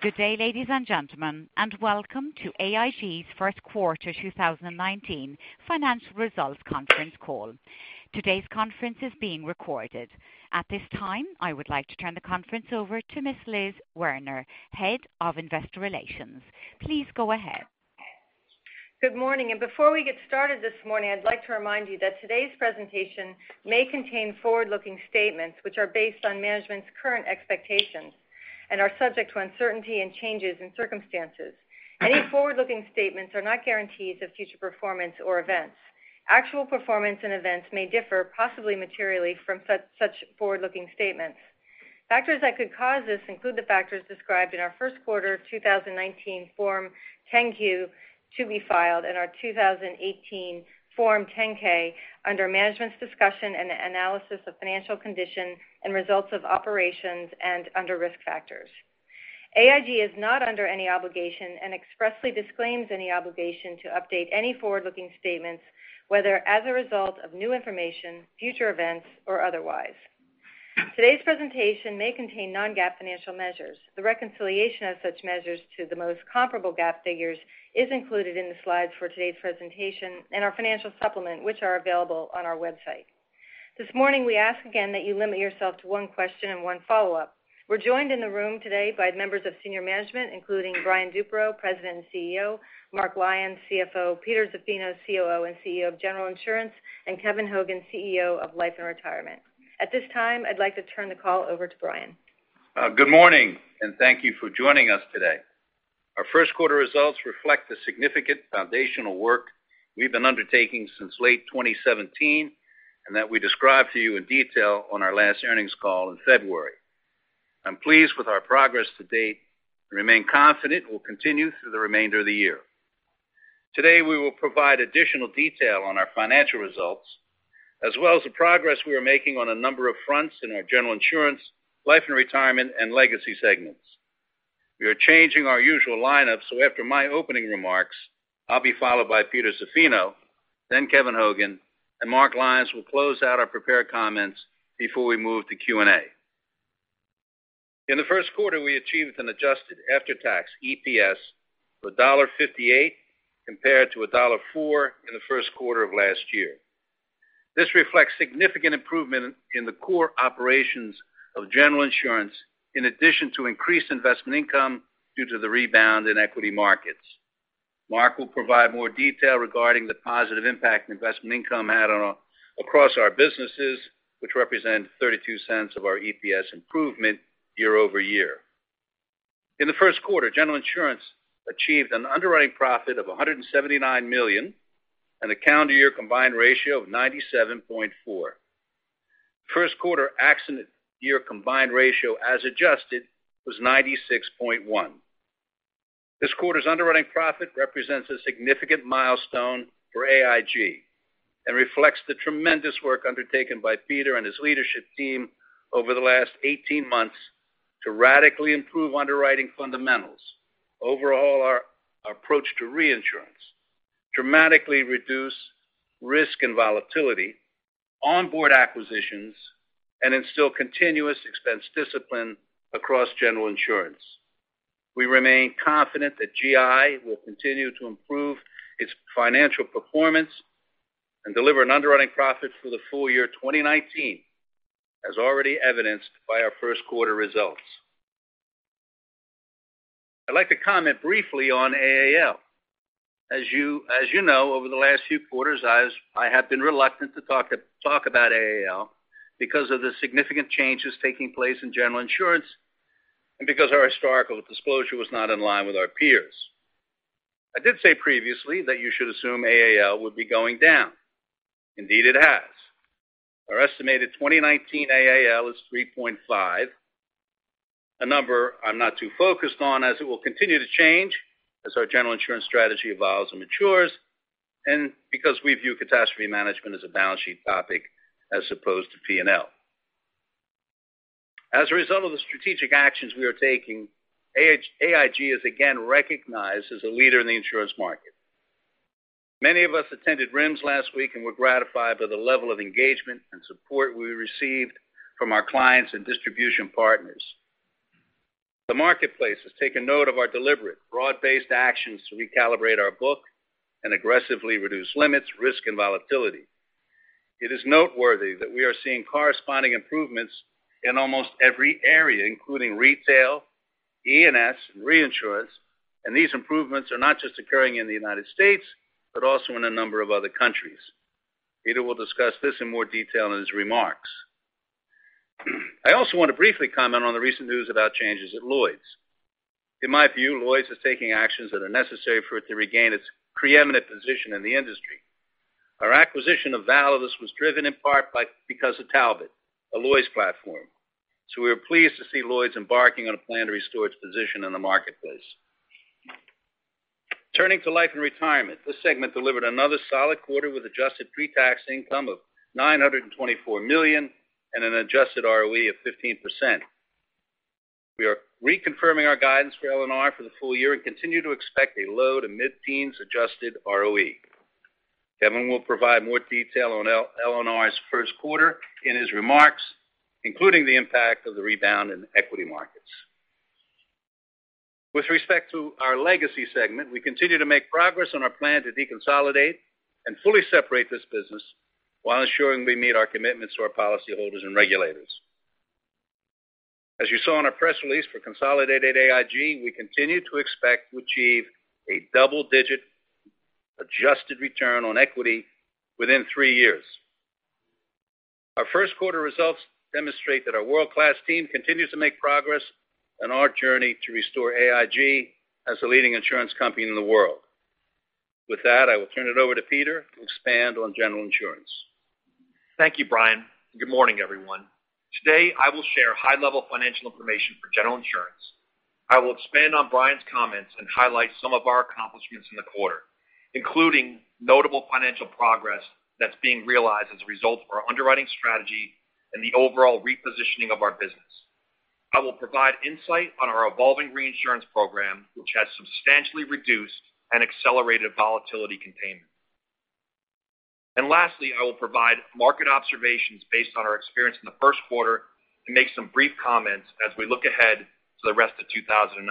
Good day, ladies and gentlemen, and welcome to AIG's first quarter 2019 financial results conference call. Today's conference is being recorded. At this time, I would like to turn the conference over to Ms. Elizabeth Ziga, Head of Investor Relations. Please go ahead. Good morning. Before we get started this morning, I'd like to remind you that today's presentation may contain forward-looking statements which are based on management's current expectations and are subject to uncertainty and changes in circumstances. Any forward-looking statements are not guarantees of future performance or events. Actual performance and events may differ, possibly materially, from such forward-looking statements. Factors that could cause this include the factors described in our first quarter 2019 Form 10-Q to be filed in our 2018 Form 10-K under Management's Discussion and Analysis of Financial Condition and Results of Operations and under Risk Factors. AIG is not under any obligation and expressly disclaims any obligation to update any forward-looking statements, whether as a result of new information, future events, or otherwise. Today's presentation may contain non-GAAP financial measures. The reconciliation of such measures to the most comparable GAAP figures is included in the slides for today's presentation and our financial supplement, which are available on our website. This morning, we ask again that you limit yourself to one question and one follow-up. We're joined in the room today by members of senior management, including Brian Duperreault, President and CEO; Mark Lyons, CFO; Peter Zaffino, COO and CEO of General Insurance, and Kevin Hogan, CEO of Life & Retirement. At this time, I'd like to turn the call over to Brian. Good morning. Thank you for joining us today. Our first quarter results reflect the significant foundational work we've been undertaking since late 2017 and that we described to you in detail on our last earnings call in February. I'm pleased with our progress to date and remain confident we'll continue through the remainder of the year. Today, we will provide additional detail on our financial results, as well as the progress we are making on a number of fronts in our General Insurance, Life & Retirement, and Legacy segments. We are changing our usual lineup, so after my opening remarks, I'll be followed by Peter Zaffino, then Kevin Hogan, and Mark Lyons will close out our prepared comments before we move to Q&A. In the first quarter, we achieved an adjusted after-tax EPS of $1.58 compared to $1.04 in the first quarter of last year. This reflects significant improvement in the core operations of General Insurance, in addition to increased investment income due to the rebound in equity markets. Mark will provide more detail regarding the positive impact investment income had across our businesses, which represent $0.32 of our EPS improvement year-over-year. In the first quarter, General Insurance achieved an underwriting profit of $179 million and a calendar year combined ratio of 97.4. First quarter accident year combined ratio as adjusted was 96.1. This quarter's underwriting profit represents a significant milestone for AIG and reflects the tremendous work undertaken by Peter and his leadership team over the last 18 months to radically improve underwriting fundamentals, overhaul our approach to reinsurance, dramatically reduce risk and volatility, onboard acquisitions, and instill continuous expense discipline across General Insurance. We remain confident that GI will continue to improve its financial performance and deliver an underwriting profit for the full year 2019, as already evidenced by our first quarter results. I'd like to comment briefly on AAL. As you know, over the last few quarters, I have been reluctant to talk about AAL because of the significant changes taking place in General Insurance and because our historical disclosure was not in line with our peers. I did say previously that you should assume AAL would be going down. Indeed, it has. Our estimated 2019 AAL is 3.5, a number I'm not too focused on as it will continue to change as our General Insurance strategy evolves and matures, and because we view catastrophe management as a balance sheet topic as opposed to P&L. As a result of the strategic actions we are taking, AIG is again recognized as a leader in the insurance market. Many of us attended RIMS last week and were gratified by the level of engagement and support we received from our clients and distribution partners. The marketplace has taken note of our deliberate, broad-based actions to recalibrate our book and aggressively reduce limits, risk, and volatility. It is noteworthy that we are seeing corresponding improvements in almost every area, including retail, E&S, and reinsurance, and these improvements are not just occurring in the U.S., but also in a number of other countries. Peter will discuss this in more detail in his remarks. I also want to briefly comment on the recent news about changes at Lloyd's. In my view, Lloyd's is taking actions that are necessary for it to regain its preeminent position in the industry. Our acquisition of Validus was driven in part because of Talbot, a Lloyd's platform. We are pleased to see Lloyd's embarking on a plan to restore its position in the marketplace. Turning to Life & Retirement. This segment delivered another solid quarter with adjusted pretax income of $924 million and an adjusted ROE of 15%. We are reconfirming our guidance for L&R for the full year and continue to expect a low- to mid-teens adjusted ROE. Kevin will provide more detail on L&R's first quarter in his remarks, including the impact of the rebound in equity markets. With respect to our Legacy segment, we continue to make progress on our plan to deconsolidate and fully separate this business while ensuring we meet our commitments to our policyholders and regulators. As you saw in our press release for consolidated AIG, we continue to expect to achieve a double-digit adjusted return on equity within three years. Our first quarter results demonstrate that our world-class team continues to make progress on our journey to restore AIG as the leading insurance company in the world. With that, I will turn it over to Peter to expand on General Insurance. Thank you, Brian. Good morning, everyone. Today, I will share high-level financial information for General Insurance. I will expand on Brian's comments and highlight some of our accomplishments in the quarter, including notable financial progress that is being realized as a result of our underwriting strategy and the overall repositioning of our business. Lastly, I will provide market observations based on our experience in the first quarter and make some brief comments as we look ahead to the rest of 2019.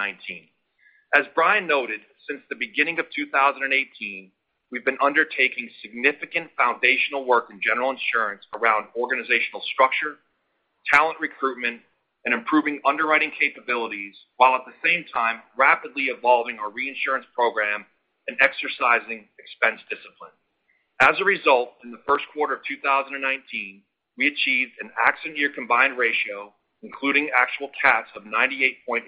As Brian noted, since the beginning of 2018, we have been undertaking significant foundational work in General Insurance around organizational structure, talent recruitment, and improving underwriting capabilities, while at the same time rapidly evolving our reinsurance program and exercising expense discipline. As a result, in the first quarter of 2019, we achieved an accident year combined ratio, including actual cats, of 98.8%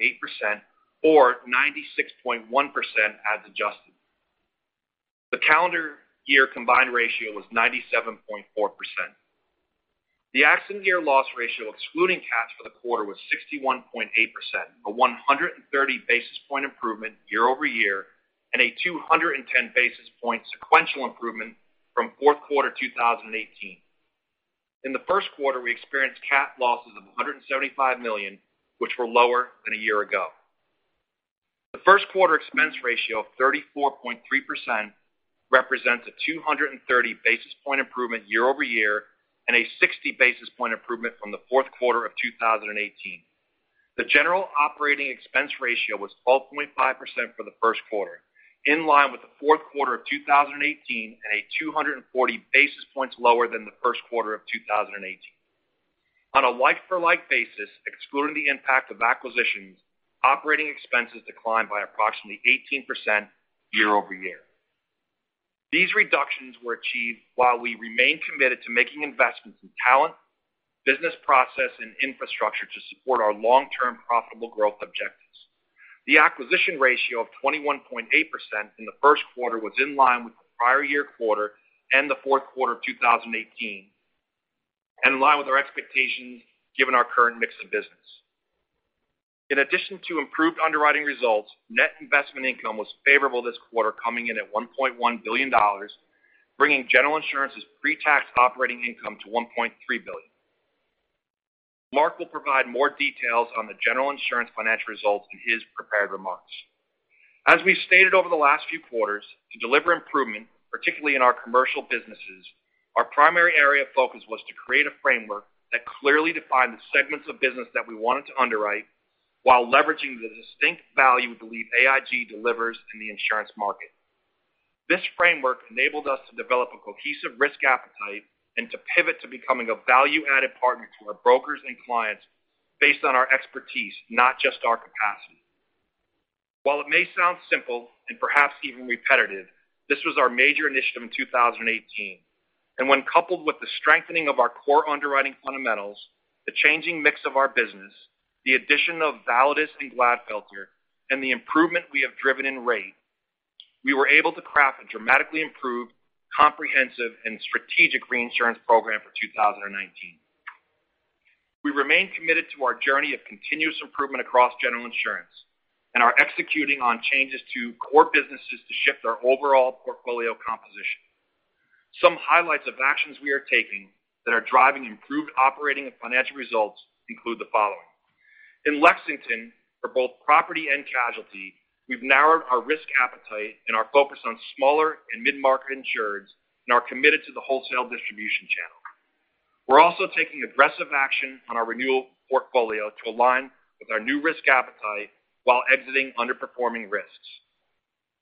or 96.1% as adjusted. The calendar year combined ratio was 97.4%. The accident year loss ratio excluding cats for the quarter was 61.8%, a 130 basis point improvement year-over-year and a 210 basis point sequential improvement from fourth quarter 2018. In the first quarter, we experienced cat losses of $175 million, which were lower than a year ago. The first quarter expense ratio of 34.3% represents a 230 basis point improvement year-over-year and a 60 basis point improvement from the fourth quarter of 2018. The general operating expense ratio was 12.5% for the first quarter, in line with the fourth quarter of 2018 and 240 basis points lower than the first quarter of 2018. On a like-for-like basis, excluding the impact of acquisitions, operating expenses declined by approximately 18% year-over-year. These reductions were achieved while we remain committed to making investments in talent, business process, and infrastructure to support our long-term profitable growth objectives. The acquisition ratio of 21.8% in the first quarter was in line with the prior year quarter and the fourth quarter of 2018, and in line with our expectations given our current mix of business. In addition to improved underwriting results, net investment income was favorable this quarter, coming in at $1.1 billion, bringing General Insurance's pre-tax operating income to $1.3 billion. Mark will provide more details on the General Insurance financial results in his prepared remarks. As we've stated over the last few quarters, to deliver improvement, particularly in our commercial businesses, our primary area of focus was to create a framework that clearly defined the segments of business that we wanted to underwrite while leveraging the distinct value we believe AIG delivers in the insurance market. This framework enabled us to develop a cohesive risk appetite and to pivot to becoming a value-added partner to our brokers and clients based on our expertise, not just our capacity. While it may sound simple and perhaps even repetitive, this was our major initiative in 2018. When coupled with the strengthening of our core underwriting fundamentals, the changing mix of our business, the addition of Validus and Glatfelter, and the improvement we have driven in rate, we were able to craft a dramatically improved, comprehensive, and strategic reinsurance program for 2019. We remain committed to our journey of continuous improvement across General Insurance and are executing on changes to core businesses to shift our overall portfolio composition. Some highlights of actions we are taking that are driving improved operating and financial results include the following. In Lexington, for both property and casualty, we've narrowed our risk appetite and are focused on smaller and mid-market insureds and are committed to the wholesale distribution channel. We're also taking aggressive action on our renewal portfolio to align with our new risk appetite while exiting underperforming risks.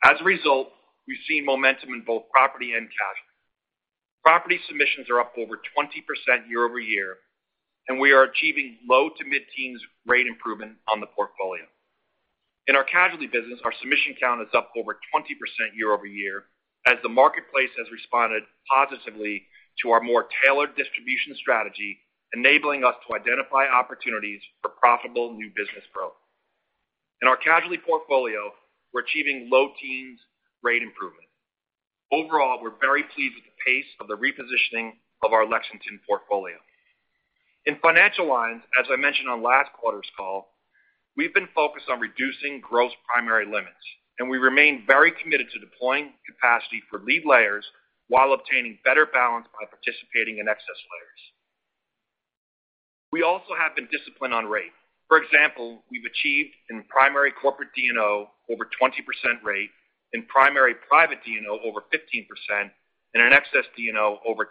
As a result, we've seen momentum in both property and casualty. Property submissions are up over 20% year-over-year, and we are achieving low to mid-teens rate improvement on the portfolio. In our casualty business, our submission count is up over 20% year-over-year as the marketplace has responded positively to our more tailored distribution strategy, enabling us to identify opportunities for profitable new business growth. In our casualty portfolio, we're achieving low teens rate improvement. Overall, we're very pleased with the pace of the repositioning of our Lexington portfolio. In financial lines, as I mentioned on last quarter's call, we've been focused on reducing gross primary limits. We remain very committed to deploying capacity for lead layers while obtaining better balance by participating in excess layers. We also have been disciplined on rate. For example, we've achieved in primary corporate D&O over 20% rate, in primary private D&O over 15%, and in excess D&O over 10%.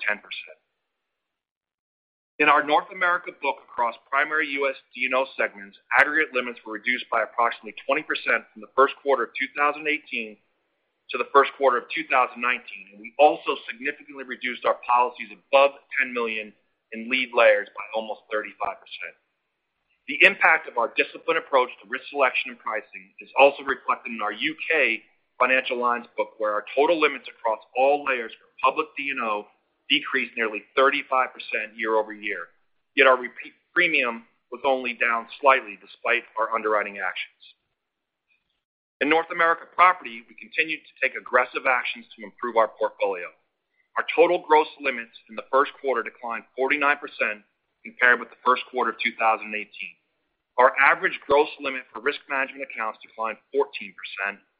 In our North America book across primary U.S. D&O segments, aggregate limits were reduced by approximately 20% from the first quarter of 2018 to the first quarter of 2019. We also significantly reduced our policies above $10 million in lead layers by almost 35%. The impact of our disciplined approach to risk selection and pricing is also reflected in our U.K. financial lines book, where our total limits across all layers for public D&O decreased nearly 35% year-over-year. Yet our repeat premium was only down slightly despite our underwriting actions. In North America property, we continued to take aggressive actions to improve our portfolio. Our total gross limits in the first quarter declined 49% compared with the first quarter of 2018. Our average gross limit for risk management accounts declined 14%,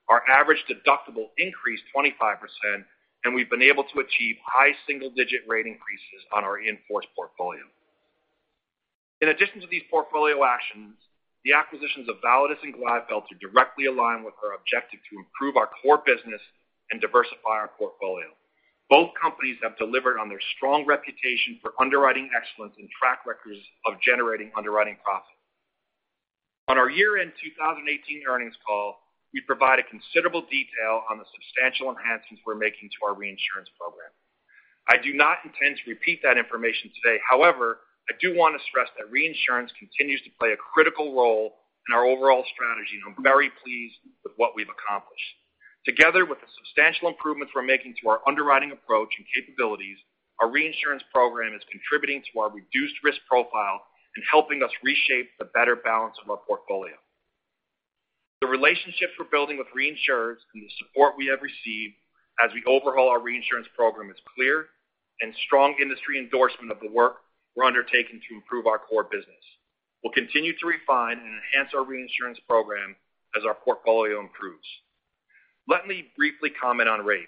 our average deductible increased 25%, and we've been able to achieve high single-digit rate increases on our in-force portfolio. In addition to these portfolio actions, the acquisitions of Validus and Glatfelter directly align with our objective to improve our core business and diversify our portfolio. Both companies have delivered on their strong reputation for underwriting excellence and track records of generating underwriting profit. On our year-end 2018 earnings call, we provided considerable detail on the substantial enhancements we're making to our reinsurance program. I do not intend to repeat that information today. I do want to stress that reinsurance continues to play a critical role in our overall strategy, and I'm very pleased with what we've accomplished. Together with the substantial improvements we're making to our underwriting approach and capabilities, our reinsurance program is contributing to our reduced risk profile and helping us reshape the better balance of our portfolio. The relationships we're building with reinsurers and the support we have received as we overhaul our reinsurance program is clear and strong industry endorsement of the work we're undertaking to improve our core business. We'll continue to refine and enhance our reinsurance program as our portfolio improves. Let me briefly comment on rate.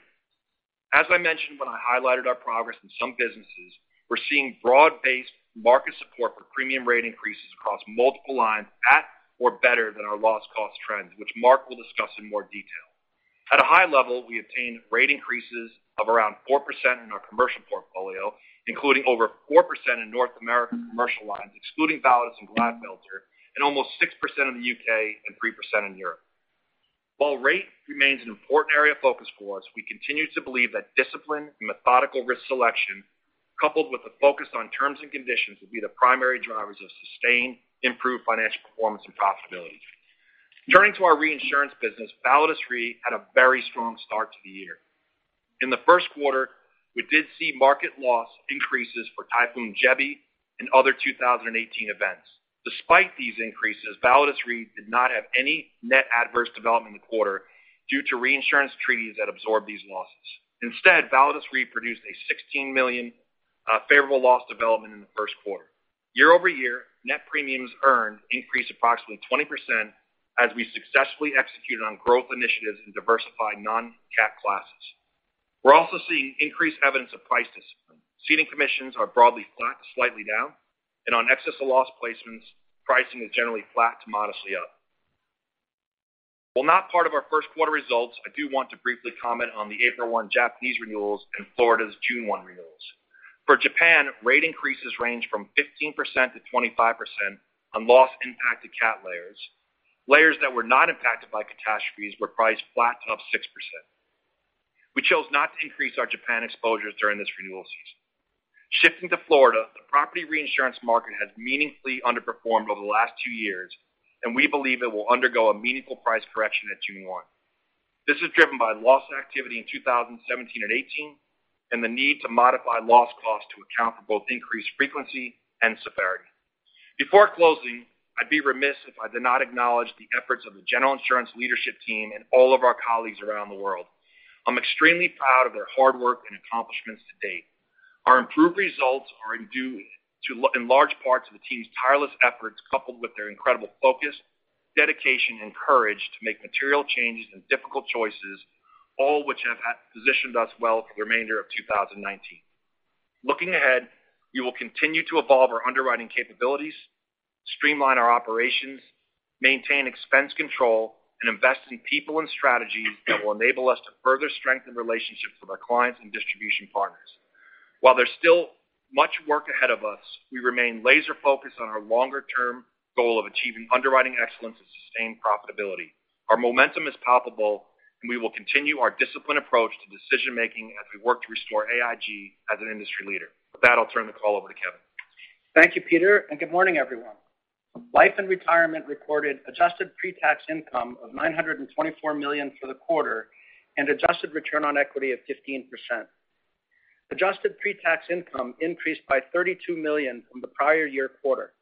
As I mentioned when I highlighted our progress in some businesses, we're seeing broad-based market support for premium rate increases across multiple lines at or better than our loss cost trends, which Mark will discuss in more detail. At a high level, we obtained rate increases of around 4% in our commercial portfolio, including over 4% in North American commercial lines, excluding Validus and Glatfelter, and almost 6% in the U.K. and 3% in Europe. Rate remains an important area of focus for us, we continue to believe that discipline and methodical risk selection coupled with a focus on terms and conditions will be the primary drivers of sustained improved financial performance and profitability. Turning to our reinsurance business, Validus Re had a very strong start to the year. In the first quarter, we did see market loss increases for Typhoon Jebi and other 2018 events. Despite these increases, Validus Re did not have any net adverse development in the quarter due to reinsurance treaties that absorbed these losses. Instead, Validus Re produced a $16 million favorable loss development in the first quarter. Year-over-year, net premiums earned increased approximately 20% as we successfully executed on growth initiatives in diversified non-cat classes. We're also seeing increased evidence of price discipline. Ceding commissions are broadly flat to slightly down, on excess of loss placements, pricing is generally flat to modestly up. Not part of our first quarter results, I do want to briefly comment on the April 1 Japanese renewals and Florida's June 1 renewals. For Japan, rate increases range from 15%-25% on loss-impacted cat layers. Layers that were not impacted by catastrophes were priced flat to up 6%. We chose not to increase our Japan exposures during this renewal season. Shifting to Florida, the property reinsurance market has meaningfully underperformed over the last two years, and we believe it will undergo a meaningful price correction at June 1. This is driven by loss activity in 2017 and 2018, and the need to modify loss cost to account for both increased frequency and severity. Before closing, I'd be remiss if I did not acknowledge the efforts of the General Insurance leadership team and all of our colleagues around the world. I'm extremely proud of their hard work and accomplishments to date. Our improved results are in large part to the team's tireless efforts coupled with their incredible focus, dedication, and courage to make material changes and difficult choices, all which have positioned us well for the remainder of 2019. Looking ahead, we will continue to evolve our underwriting capabilities, streamline our operations, maintain expense control, and invest in people and strategies that will enable us to further strengthen relationships with our clients and distribution partners. While there's still much work ahead of us, we remain laser-focused on our longer-term goal of achieving underwriting excellence and sustained profitability. Our momentum is palpable, and we will continue our disciplined approach to decision-making as we work to restore AIG as an industry leader. With that, I'll turn the call over to Kevin. Thank you, Peter, and good morning, everyone. Life & Retirement recorded adjusted pre-tax income of $924 million for the quarter and adjusted return on equity of 15%. Adjusted pre-tax income increased by $32 million from the prior year quarter.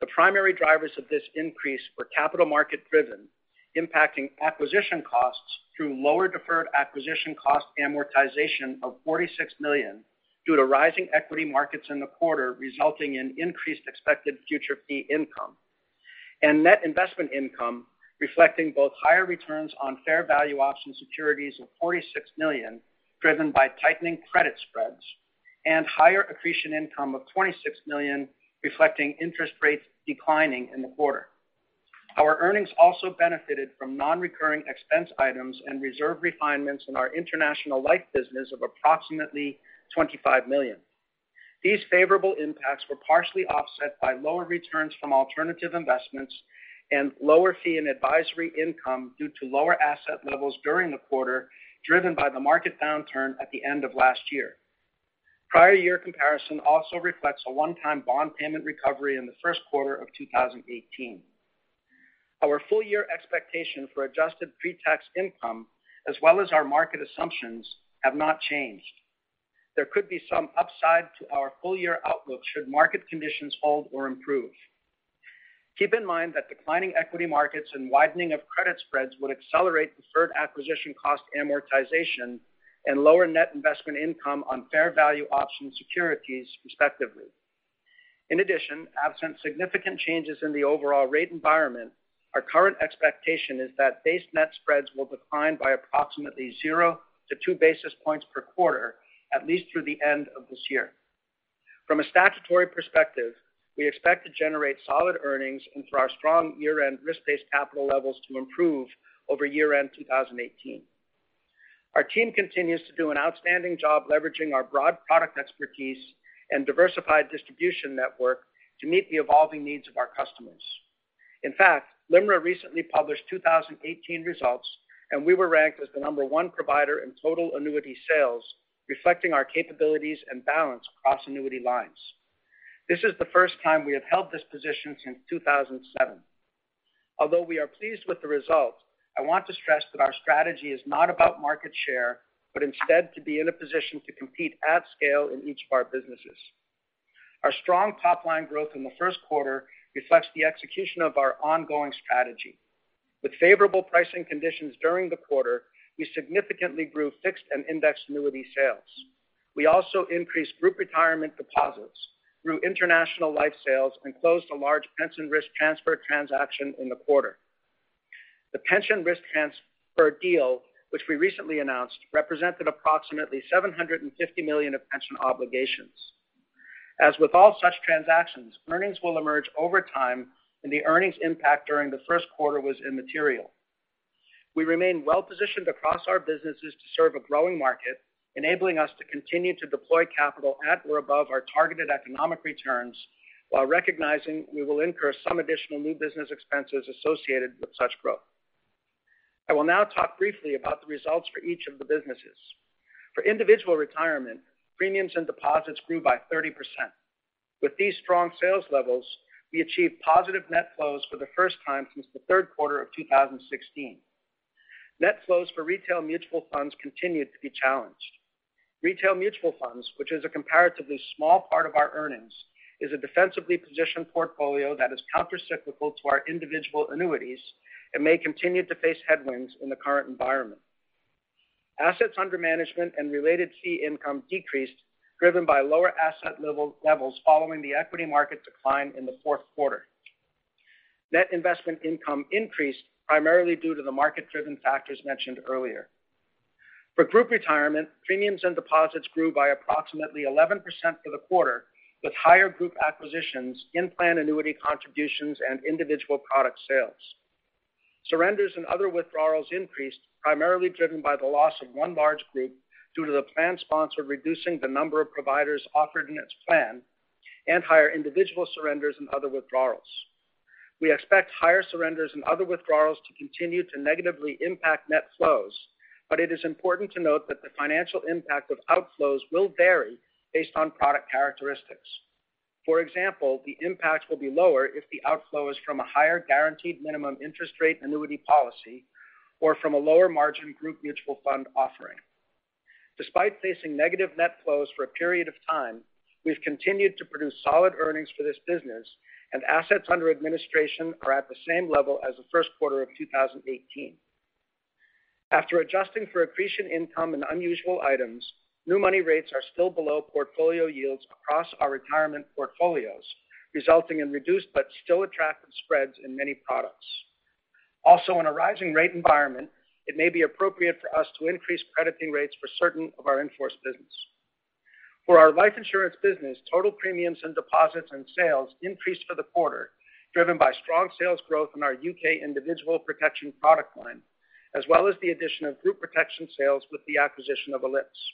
The primary drivers of this increase were capital market driven, impacting acquisition costs through lower deferred acquisition cost amortization of $46 million due to rising equity markets in the quarter, resulting in increased expected future fee income. Net investment income, reflecting both higher returns on fair value option securities of $46 million, driven by tightening credit spreads and higher accretion income of $26 million, reflecting interest rates declining in the quarter. Our earnings also benefited from non-recurring expense items and reserve refinements in our international life business of approximately $25 million. These favorable impacts were partially offset by lower returns from alternative investments and lower fee and advisory income due to lower asset levels during the quarter, driven by the market downturn at the end of last year. Prior year comparison also reflects a one-time bond payment recovery in the first quarter of 2018. Our full-year expectation for adjusted pre-tax income, as well as our market assumptions, have not changed. There could be some upside to our full-year outlook should market conditions hold or improve. Keep in mind that declining equity markets and widening of credit spreads would accelerate deferred acquisition cost amortization and lower net investment income on fair value option securities, respectively. In addition, absent significant changes in the overall rate environment, our current expectation is that base net spreads will decline by approximately 0-2 basis points per quarter, at least through the end of this year. From a statutory perspective, we expect to generate solid earnings and for our strong year-end risk-based capital levels to improve over year-end 2018. Our team continues to do an outstanding job leveraging our broad product expertise and diversified distribution network to meet the evolving needs of our customers. In fact, LIMRA recently published 2018 results, and we were ranked as the number one provider in total annuity sales, reflecting our capabilities and balance across annuity lines. This is the first time we have held this position since 2007. Although we are pleased with the result, I want to stress that our strategy is not about market share, but instead to be in a position to compete at scale in each of our businesses. Our strong top-line growth in the first quarter reflects the execution of our ongoing strategy. With favorable pricing conditions during the quarter, we significantly grew fixed and indexed annuity sales. We also increased group retirement deposits through international life sales and closed a large pension risk transfer transaction in the quarter. The pension risk transfer deal, which we recently announced, represented approximately $750 million of pension obligations. As with all such transactions, earnings will emerge over time, and the earnings impact during the first quarter was immaterial. We remain well-positioned across our businesses to serve a growing market, enabling us to continue to deploy capital at or above our targeted economic returns while recognizing we will incur some additional new business expenses associated with such growth. I will now talk briefly about the results for each of the businesses. For individual retirement, premiums and deposits grew by 30%. With these strong sales levels, we achieved positive net flows for the first time since the third quarter of 2016. Net flows for retail mutual funds continued to be challenged. Retail mutual funds, which is a comparatively small part of our earnings, is a defensively positioned portfolio that is countercyclical to our individual annuities and may continue to face headwinds in the current environment. Assets under management and related fee income decreased, driven by lower asset levels following the equity market decline in the fourth quarter. Net investment income increased primarily due to the market-driven factors mentioned earlier. For group retirement, premiums and deposits grew by approximately 11% for the quarter, with higher group acquisitions, in-plan annuity contributions, and individual product sales. Surrenders and other withdrawals increased, primarily driven by the loss of one large group due to the plan sponsor reducing the number of providers offered in its plan and higher individual surrenders and other withdrawals. We expect higher surrenders and other withdrawals to continue to negatively impact net flows, but it is important to note that the financial impact of outflows will vary based on product characteristics. For example, the impact will be lower if the outflow is from a higher guaranteed minimum interest rate annuity policy or from a lower margin group mutual fund offering. Despite facing negative net flows for a period of time, we've continued to produce solid earnings for this business, and assets under administration are at the same level as the first quarter of 2018. After adjusting for accretion income and unusual items, new money rates are still below portfolio yields across our retirement portfolios, resulting in reduced but still attractive spreads in many products. In a rising rate environment, it may be appropriate for us to increase crediting rates for certain of our in-force business. For our life insurance business, total premiums and deposits and sales increased for the quarter, driven by strong sales growth in our U.K. individual protection product line, as well as the addition of group protection sales with the acquisition of Ellipse.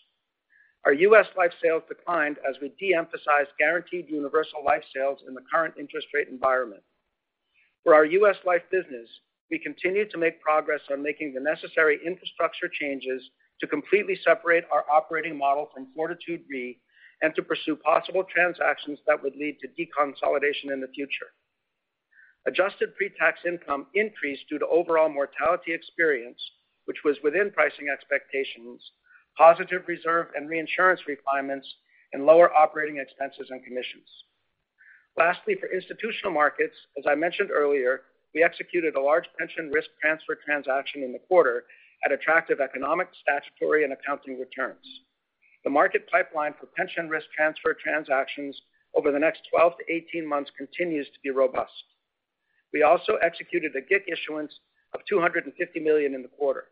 Our U.S. life sales declined as we de-emphasized guaranteed universal life sales in the current interest rate environment. For our U.S. life business, we continue to make progress on making the necessary infrastructure changes to completely separate our operating model from Fortitude Re and to pursue possible transactions that would lead to deconsolidation in the future. Adjusted pre-tax income increased due to overall mortality experience, which was within pricing expectations, positive reserve and reinsurance refinements, and lower operating expenses and commissions. For institutional markets, as I mentioned earlier, we executed a large pension risk transfer transaction in the quarter at attractive economic, statutory, and accounting returns. The market pipeline for pension risk transfer transactions over the next 12-18 months continues to be robust. We also executed a GIC issuance of $250 million in the quarter.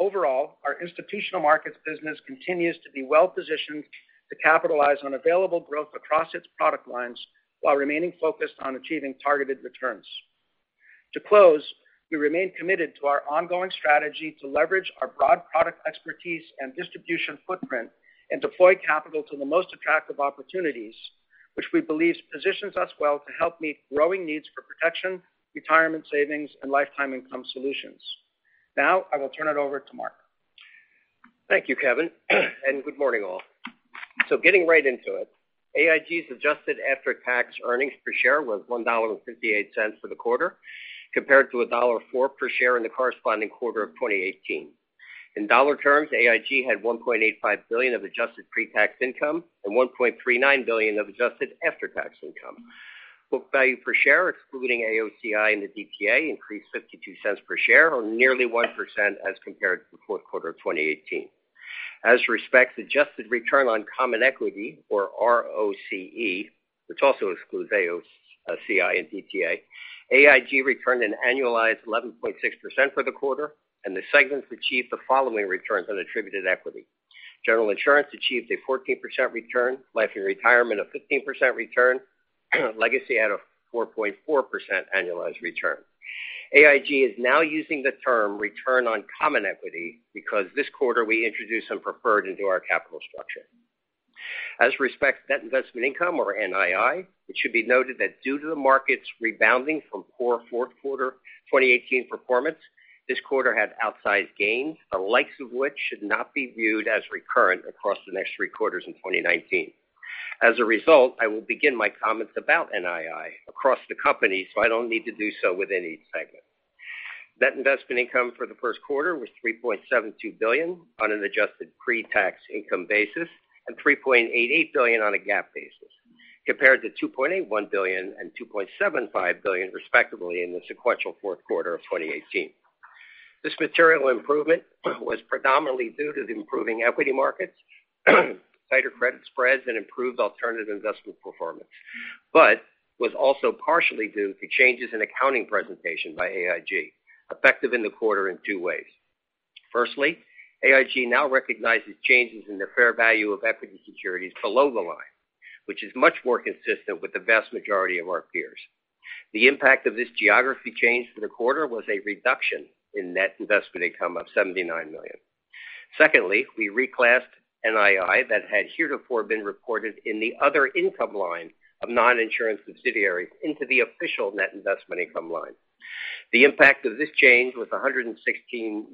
Overall, our institutional markets business continues to be well-positioned to capitalize on available growth across its product lines while remaining focused on achieving targeted returns. To close, we remain committed to our ongoing strategy to leverage our broad product expertise and distribution footprint and deploy capital to the most attractive opportunities, which we believe positions us well to help meet growing needs for protection, retirement savings, and lifetime income solutions. Now, I will turn it over to Mark. Thank you, Kevin, and good morning all. Getting right into it, AIG's adjusted after-tax earnings per share was $1.58 for the quarter, compared to $1.04 per share in the corresponding quarter of 2018. In dollar terms, AIG had $1.85 billion of adjusted pre-tax income and $1.39 billion of adjusted after-tax income. Book value per share, excluding AOCI and the DTA, increased $0.52 per share, or nearly 1% as compared to the fourth quarter of 2018. As respects adjusted return on common equity, or ROCE, which also excludes AOCI and DTA, AIG returned an annualized 11.6% for the quarter, and the segments achieved the following returns on attributed equity. General Insurance achieved a 14% return, Life & Retirement a 15% return, Legacy had a 4.4% annualized return. AIG is now using the term return on common equity because this quarter we introduced some preferred into our capital structure. As respects net investment income or NII, it should be noted that due to the markets rebounding from poor fourth quarter 2018 performance, this quarter had outsized gains, the likes of which should not be viewed as recurrent across the next three quarters in 2019. As a result, I will begin my comments about NII across the company, so I don't need to do so with any segment. Net investment income for the first quarter was $3.72 billion on an adjusted pre-tax income basis and $3.88 billion on a GAAP basis, compared to $2.81 billion and $2.75 billion respectively in the sequential fourth quarter of 2018. This material improvement was predominantly due to the improving equity markets, tighter credit spreads, and improved alternative investment performance. It was also partially due to changes in accounting presentation by AIG, effective in the quarter in two ways. Firstly, AIG now recognizes changes in the fair value of equity securities below the line, which is much more consistent with the vast majority of our peers. The impact of this geography change for the quarter was a reduction in net investment income of $79 million. Secondly, we reclassed NII that had heretofore been reported in the other income line of non-insurance subsidiaries into the official net investment income line. The impact of this change was $116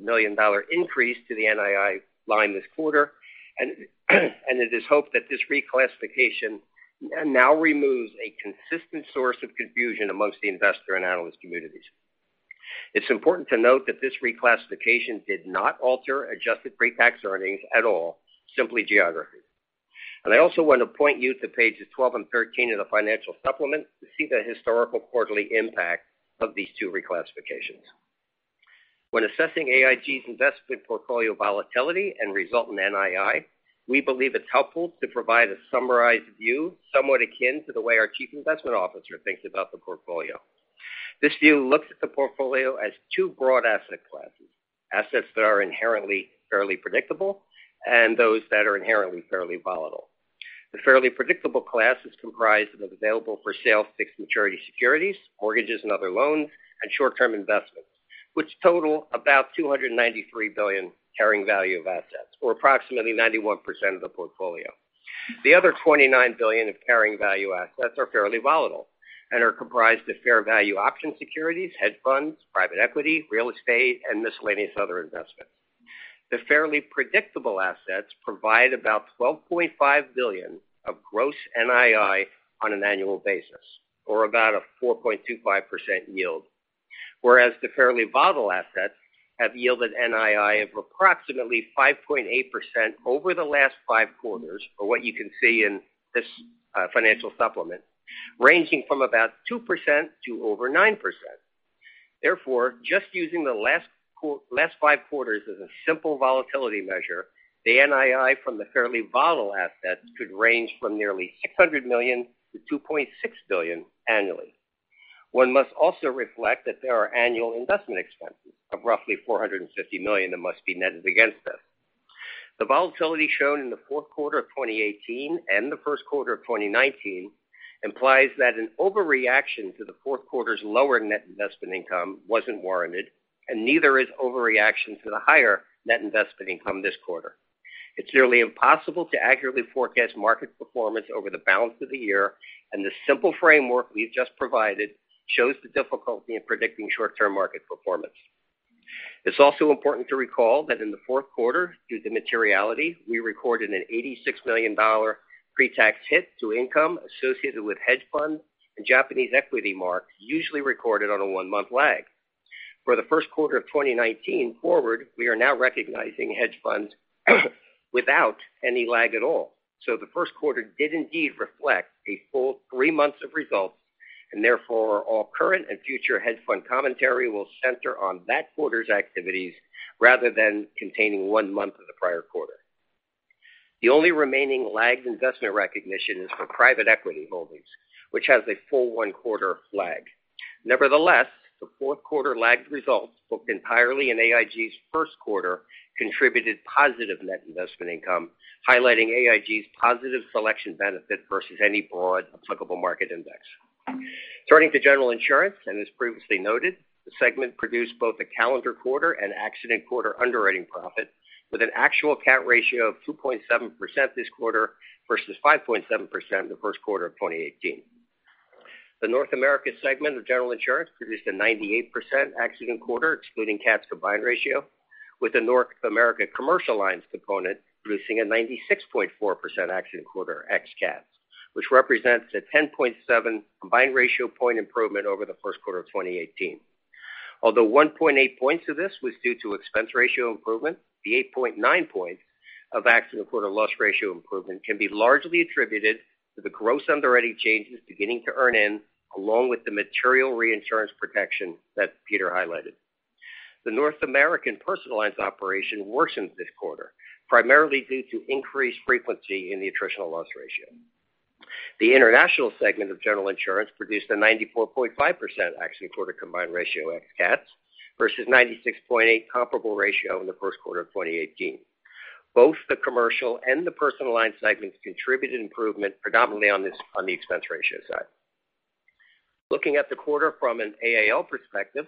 million increase to the NII line this quarter, and it is hoped that this reclassification now removes a consistent source of confusion amongst the investor and analyst communities. It's important to note that this reclassification did not alter adjusted pre-tax earnings at all, simply geography. I also want to point you to pages 12 and 13 of the financial supplement to see the historical quarterly impact of these two reclassifications. When assessing AIG's investment portfolio volatility and resultant NII, we believe it's helpful to provide a summarized view somewhat akin to the way our chief investment officer thinks about the portfolio. This view looks at the portfolio as two broad asset classes, assets that are inherently fairly predictable, and those that are inherently fairly volatile. The fairly predictable class is comprised of available-for-sale fixed maturity securities, mortgages and other loans, and short-term investments, which total about $293 billion carrying value of assets, or approximately 91% of the portfolio. The other $29 billion of carrying value assets are fairly volatile and are comprised of fair value option securities, hedge funds, private equity, real estate, and miscellaneous other investments. The fairly predictable assets provide about $12.5 billion of gross NII on an annual basis, or about a 4.25% yield. Whereas the fairly volatile assets have yielded NII of approximately 5.8% over the last five quarters, or what you can see in this financial supplement, ranging from about 2% to over 9%. Therefore, just using the last five quarters as a simple volatility measure, the NII from the fairly volatile assets could range from nearly $600 million-$2.6 billion annually. One must also reflect that there are annual investment expenses of roughly $450 million that must be netted against this. The volatility shown in the fourth quarter of 2018 and the first quarter of 2019 implies that an overreaction to the fourth quarter's lower net investment income wasn't warranted, and neither is overreaction to the higher net investment income this quarter. It's nearly impossible to accurately forecast market performance over the balance of the year, and the simple framework we've just provided shows the difficulty in predicting short-term market performance. It's also important to recall that in the fourth quarter, due to materiality, we recorded an $86 million pre-tax hit to income associated with hedge fund and Japanese equity marks usually recorded on a one-month lag. For the first quarter of 2019 forward, we are now recognizing hedge funds without any lag at all. The first quarter did indeed reflect a full three months of results. Therefore, all current and future hedge fund commentary will center on that quarter's activities rather than containing one month of the prior quarter. The only remaining lagged investment recognition is for private equity holdings, which has a full one quarter lag. Nevertheless, the fourth quarter lagged results, booked entirely in AIG's first quarter, contributed positive net investment income, highlighting AIG's positive selection benefit versus any broad applicable market index. Turning to General Insurance, and as previously noted, the segment produced both a calendar quarter and accident quarter underwriting profit with an actual cat ratio of 2.7% this quarter versus 5.7% in the first quarter of 2018. The North America segment of General Insurance produced a 98% accident quarter, excluding cats combined ratio, with the North America commercial lines component producing a 96.4% accident quarter ex cats, which represents a 10.7 combined ratio point improvement over the first quarter of 2018. Although 1.8 points of this was due to expense ratio improvement, the 8.9 points of accident quarter loss ratio improvement can be largely attributed to the gross underwriting changes beginning to earn in, along with the material reinsurance protection that Peter highlighted. The North American personal lines operation worsened this quarter, primarily due to increased frequency in the attritional loss ratio. The international segment of General Insurance produced a 94.5% accident quarter combined ratio ex cats versus 96.8 comparable ratio in the first quarter of 2018. Both the commercial and the personal line segments contributed improvement predominantly on the expense ratio side. Looking at the quarter from an AAL perspective,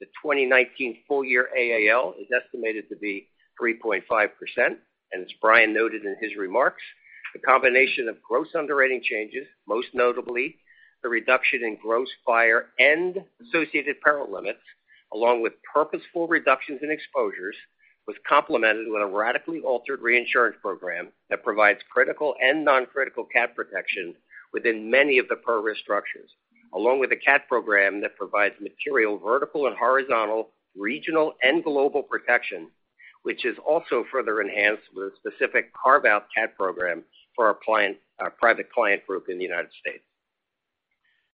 the 2019 full year AAL is estimated to be 3.5%, and as Brian noted in his remarks, the combination of gross underwriting changes, most notably the reduction in gross fire and associated peril limits, along with purposeful reductions in exposures, was complemented with a radically altered reinsurance program that provides critical and non-critical cat protection within many of the per-risk structures, along with a cat program that provides material, vertical and horizontal, regional and global protection, which is also further enhanced with a specific carve-out cat program for our Private Client Group in the United States.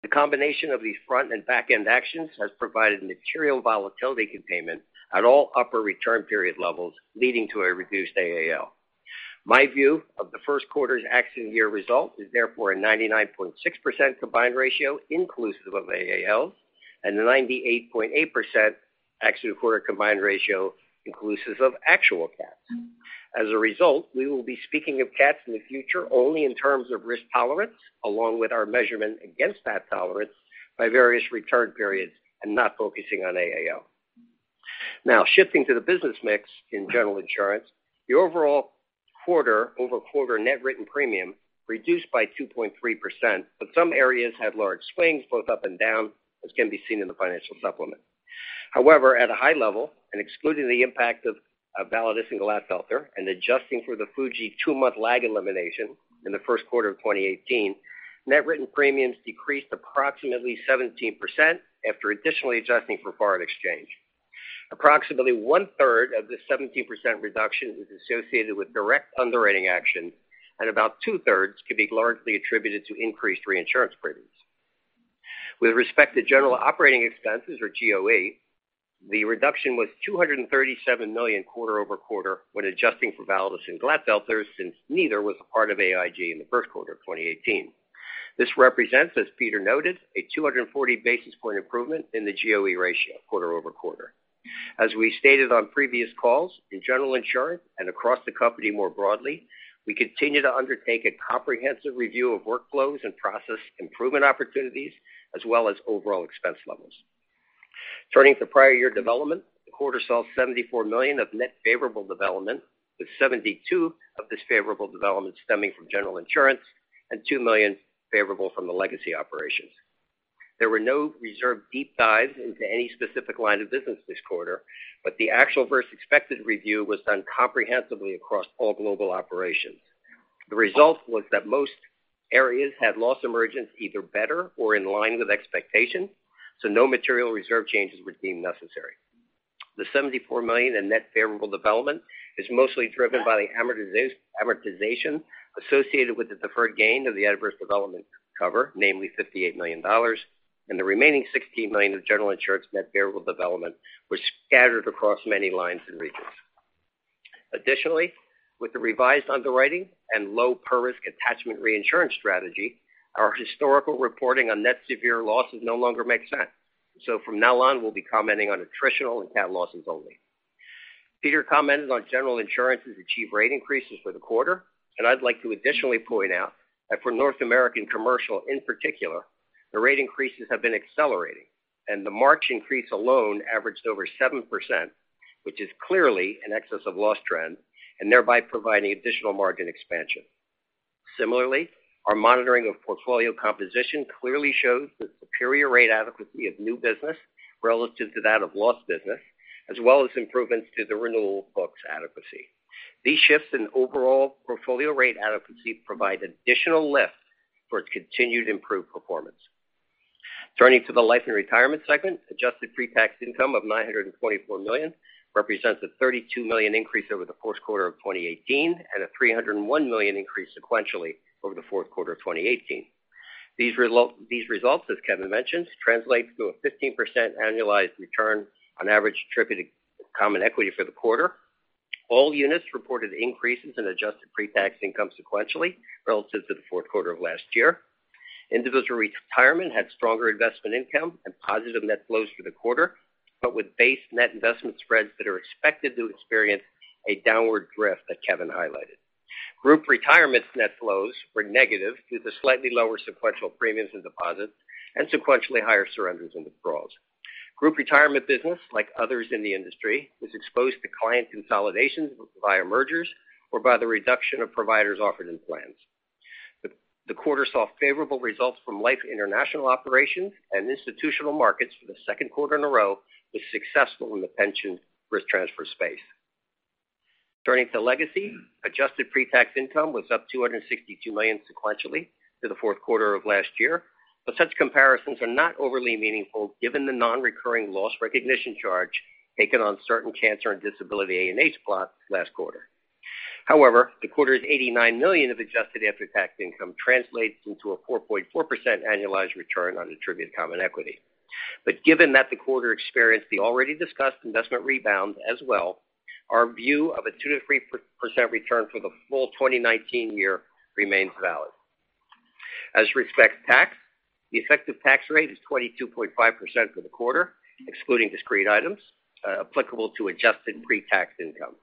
The combination of these front and back-end actions has provided material volatility containment at all upper return period levels, leading to a reduced AAL. My view of the first quarter's accident year result is therefore a 99.6% combined ratio inclusive of AAL and a 98.8% accident quarter combined ratio inclusive of actual cats. As a result, we will be speaking of cats in the future only in terms of risk tolerance, along with our measurement against that tolerance by various return periods and not focusing on AAL. Shifting to the business mix in General Insurance, the overall quarter-over-quarter net written premium reduced by 2.3%, but some areas had large swings both up and down, as can be seen in the financial supplement. However, at a high level, and excluding the impact of Validus and Glatfelter and adjusting for the Fuji two-month lag elimination in the first quarter of 2018, net written premiums decreased approximately 17% after additionally adjusting for foreign exchange. Approximately one-third of the 17% reduction is associated with direct underwriting action, and about two-thirds can be largely attributed to increased reinsurance premiums. With respect to general operating expenses or GOE, the reduction was $237 million quarter-over-quarter when adjusting for Validus and Glatfelter, since neither was a part of AIG in the first quarter of 2018. This represents, as Peter noted, a 240 basis point improvement in the GOE ratio quarter-over-quarter. As we stated on previous calls, in General Insurance and across the company more broadly, we continue to undertake a comprehensive review of workflows and process improvement opportunities, as well as overall expense levels. Turning to prior year development, the quarter saw $74 million of net favorable development, with $72 million of this favorable development stemming from General Insurance and $2 million favorable from the Legacy operations. There were no reserve deep dives into any specific line of business this quarter, but the actual versus expected review was done comprehensively across all global operations. The result was that most areas had loss emergence either better or in line with expectations, so no material reserve changes were deemed necessary. The $74 million in net favorable development is mostly driven by the amortization associated with the deferred gain of the adverse development cover, namely $58 million, and the remaining $16 million of General Insurance net favorable development was scattered across many lines and regions. Additionally, with the revised underwriting and low per-risk attachment reinsurance strategy, our historical reporting on net severe losses no longer makes sense. From now on, we'll be commenting on attritional and cat losses only. Peter commented on General Insurance's achieved rate increases for the quarter, and I'd like to additionally point out that for North American commercial in particular, the rate increases have been accelerating, and the March increase alone averaged over 7%, which is clearly in excess of loss trend, and thereby providing additional margin expansion. Similarly, our monitoring of portfolio composition clearly shows the superior rate adequacy of new business relative to that of lost business, as well as improvements to the renewal books adequacy. These shifts in overall portfolio rate adequacy provide additional lift for its continued improved performance. Turning to the Life & Retirement segment, adjusted pre-tax income of $924 million represents a $32 million increase over the first quarter of 2018 and a $301 million increase sequentially over the fourth quarter of 2018. These results, as Kevin mentioned, translate to a 15% annualized return on average attributed common equity for the quarter. All units reported increases in adjusted pre-tax income sequentially relative to the fourth quarter of last year. Individual retirement had stronger investment income and positive net flows for the quarter, but with base net investment spreads that are expected to experience a downward drift that Kevin highlighted. Group retirement net flows were negative due to slightly lower sequential premiums and deposits and sequentially higher surrenders and withdrawals. Group retirement business, like others in the industry, was exposed to client consolidations via mergers or by the reduction of providers offered in plans. The quarter saw favorable results from Life International operations and institutional markets for the second quarter in a row was successful in the pension risk transfer space. Turning to Legacy, adjusted pre-tax income was up $262 million sequentially to the fourth quarter of last year. Such comparisons are not overly meaningful given the non-recurring loss recognition charge taken on certain cancer and disability A&H blocks last quarter. However, the quarter's $89 million of adjusted after-tax income translates into a 4.4% annualized return on attributed common equity. Given that the quarter experienced the already discussed investment rebound as well, our view of a 2%-3% return for the full 2019 year remains valid. As respects tax, the effective tax rate is 22.5% for the quarter, excluding discrete items applicable to adjusted pre-tax income.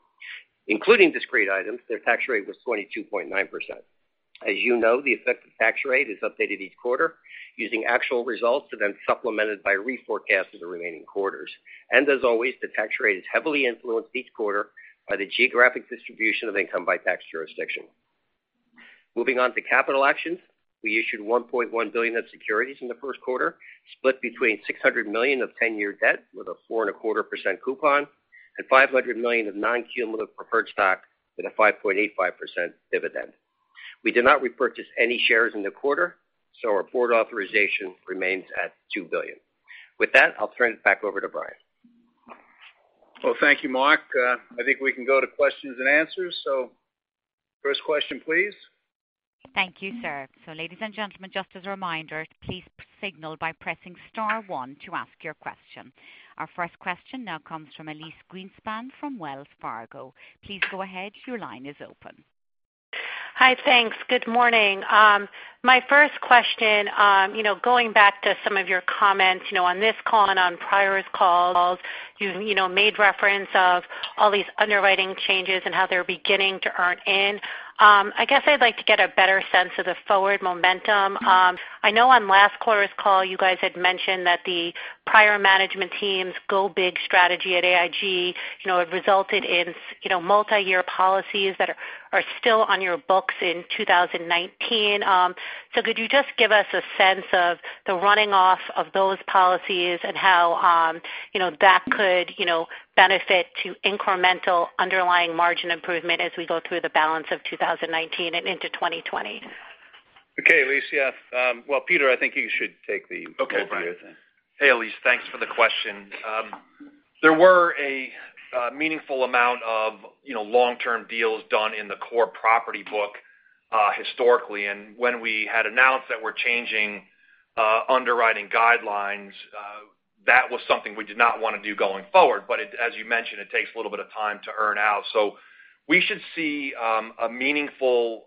Including discrete items, their tax rate was 22.9%. As you know, the effective tax rate is updated each quarter using actual results and then supplemented by reforecasts of the remaining quarters. As always, the tax rate is heavily influenced each quarter by the geographic distribution of income by tax jurisdiction. Moving on to capital actions. We issued $1.1 billion of securities in the first quarter, split between $600 million of 10-year debt with a 4.25% coupon and $500 million of non-cumulative preferred stock with a 5.85% dividend. We did not repurchase any shares in the quarter, so our board authorization remains at $2 billion. With that, I'll turn it back over to Brian. Well, thank you, Mark. I think we can go to questions and answers. First question, please. Thank you, sir. Ladies and gentlemen, just as a reminder, please signal by pressing star one to ask your question. Our first question now comes from Elyse Greenspan from Wells Fargo. Please go ahead. Your line is open. Hi. Thanks. Good morning. My first question, going back to some of your comments on this call and on prior calls, you made reference of all these underwriting changes and how they're beginning to earn in. I guess I'd like to get a better sense of the forward momentum. I know on last quarter's call you guys had mentioned that the prior management team's Go Big strategy at AIG had resulted in multi-year policies that are still on your books in 2019. Could you just give us a sense of the running off of those policies and how that could benefit to incremental underlying margin improvement as we go through the balance of 2019 and into 2020? Okay, Elyse. Well, Peter, I think you should take the lead here. Okay. Hey, Elyse. Thanks for the question. There were a meaningful amount of long-term deals done in the core property book historically. When we had announced that we're changing underwriting guidelines, that was something we did not want to do going forward. As you mentioned, it takes a little bit of time to earn out. We should see a meaningful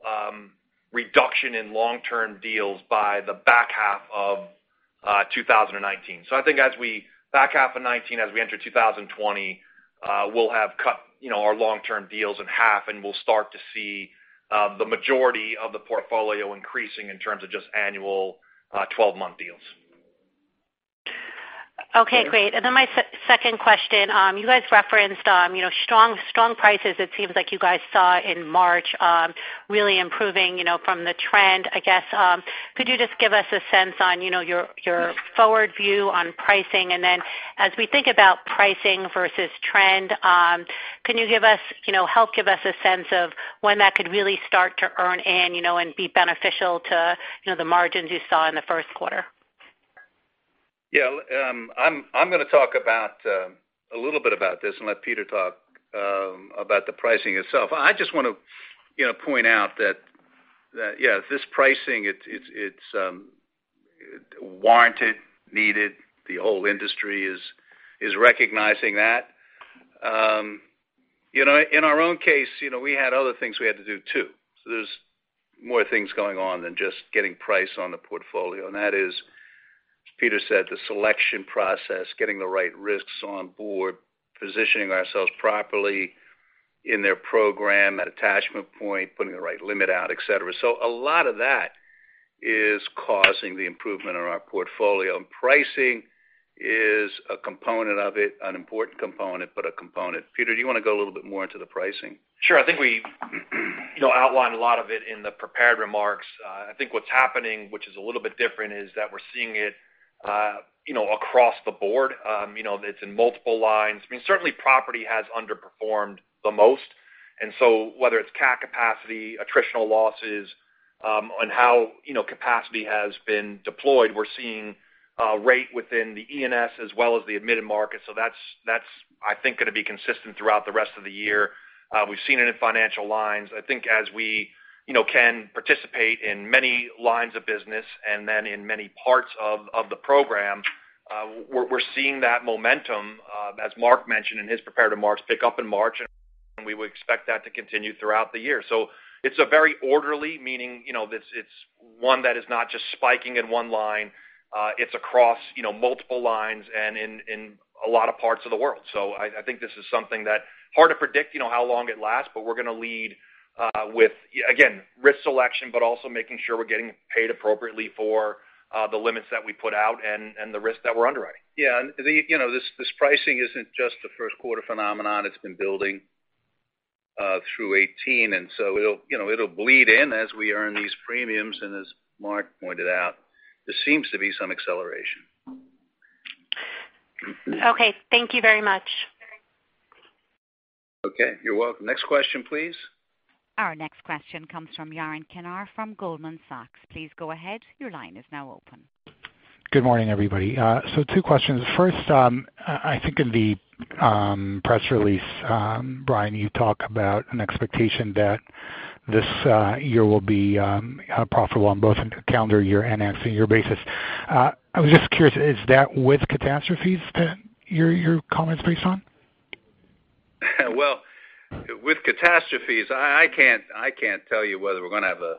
reduction in long-term deals by the back half of 2019. I think as we back half of 2019, as we enter 2020, we'll have cut our long-term deals in half and we'll start to see the majority of the portfolio increasing in terms of just annual 12-month deals. Okay, great. My second question, you guys referenced strong prices it seems like you guys saw in March really improving from the trend, I guess. Could you just give us a sense on your forward view on pricing? As we think about pricing versus trend, can you help give us a sense of when that could really start to earn in and be beneficial to the margins you saw in the first quarter? Yeah. I'm going to talk a little bit about this and let Peter talk about the pricing itself. I just want to point out that this pricing, it's warranted, needed. The whole industry is recognizing that. In our own case, we had other things we had to do too. There's more things going on than just getting price on the portfolio. That is, as Peter said, the selection process, getting the right risks on board, positioning ourselves properly in their program at attachment point, putting the right limit out, et cetera. A lot of that is causing the improvement in our portfolio. Pricing is a component of it, an important component, but a component. Peter, do you want to go a little bit more into the pricing? Sure. I think I outlined a lot of it in the prepared remarks. I think what's happening, which is a little bit different, is that we're seeing it across the board. It's in multiple lines. Certainly, property has underperformed the most. Whether it's cat capacity, attritional losses, and how capacity has been deployed, we're seeing rate within the E&S as well as the admitted market. That's, I think, going to be consistent throughout the rest of the year. We've seen it in financial lines. I think as we can participate in many lines of business and then in many parts of the program We're seeing that momentum, as Mark mentioned in his prepared remarks, pick up in March, and we would expect that to continue throughout the year. It's very orderly, meaning that it's one that is not just spiking in one line, it's across multiple lines and in a lot of parts of the world. I think this is something that hard to predict how long it lasts, but we're going to lead with, again, risk selection, but also making sure we're getting paid appropriately for the limits that we put out and the risk that we're underwriting. This pricing isn't just a first quarter phenomenon. It's been building through 2018, so it'll bleed in as we earn these premiums. As Mark pointed out, there seems to be some acceleration. Okay. Thank you very much. Okay. You're welcome. Next question, please. Our next question comes from Yaron Kinar from Goldman Sachs. Please go ahead. Your line is now open. Good morning, everybody. Two questions. First, I think in the press release, Brian Duperreault, you talk about an expectation that this year will be profitable on both a calendar year and accident year basis. I was just curious, is that with catastrophes that your comment's based on? With catastrophes, I can't tell you whether we're going to have a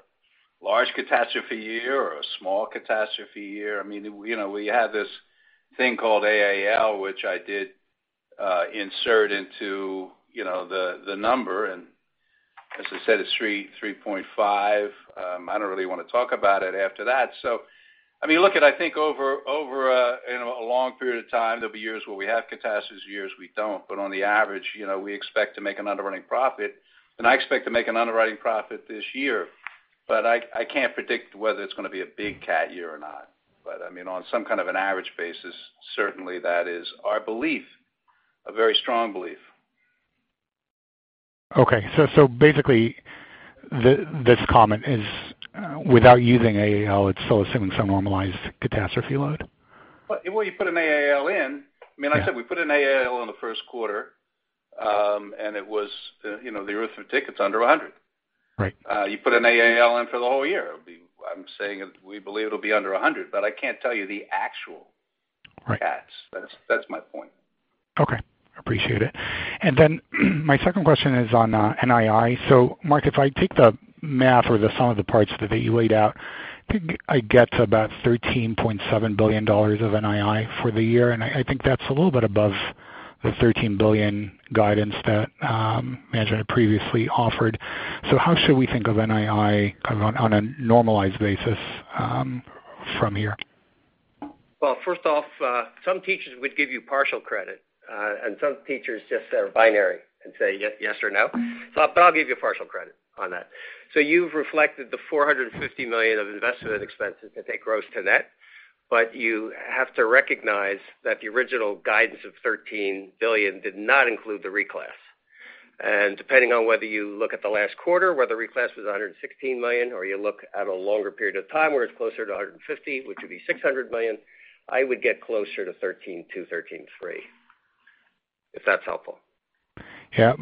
large catastrophe year or a small catastrophe year. We have this thing called AAL, which I did insert into the number. As I said, it's 3.5. I don't really want to talk about it after that. I think over a long period of time, there'll be years where we have catastrophes, years we don't. On the average, we expect to make an underwriting profit. I expect to make an underwriting profit this year. I can't predict whether it's going to be a big cat year or not. On some kind of an average basis, certainly that is our belief, a very strong belief. Okay. Basically, this comment is without using AAL, it's still assuming some normalized catastrophe load? You put an AAL in. I said we put an AAL in the first quarter. It was the arithmetic, it's under 100. Right. You put an AAL in for the whole year. I'm saying we believe it'll be under 100, but I can't tell you the. Right cats. That's my point. Okay. Appreciate it. My second question is on NII. Mark, if I take the math or the sum of the parts that you laid out, I get to about $13.7 billion of NII for the year, and I think that's a little bit above the $13 billion guidance that management had previously offered. How should we think of NII on a normalized basis from here? Well, first off, some teachers would give you partial credit, some teachers just are binary and say yes or no. I'll give you partial credit on that. You've reflected the $450 million of investment expenses to take gross to net. You have to recognize that the original guidance of $13 billion did not include the reclass. Depending on whether you look at the last quarter, where the reclass was $116 million, or you look at a longer period of time where it's closer to $150 million, which would be $600 million, I would get closer to $13.2 billion, $13.3 billion, if that's helpful. Yeah.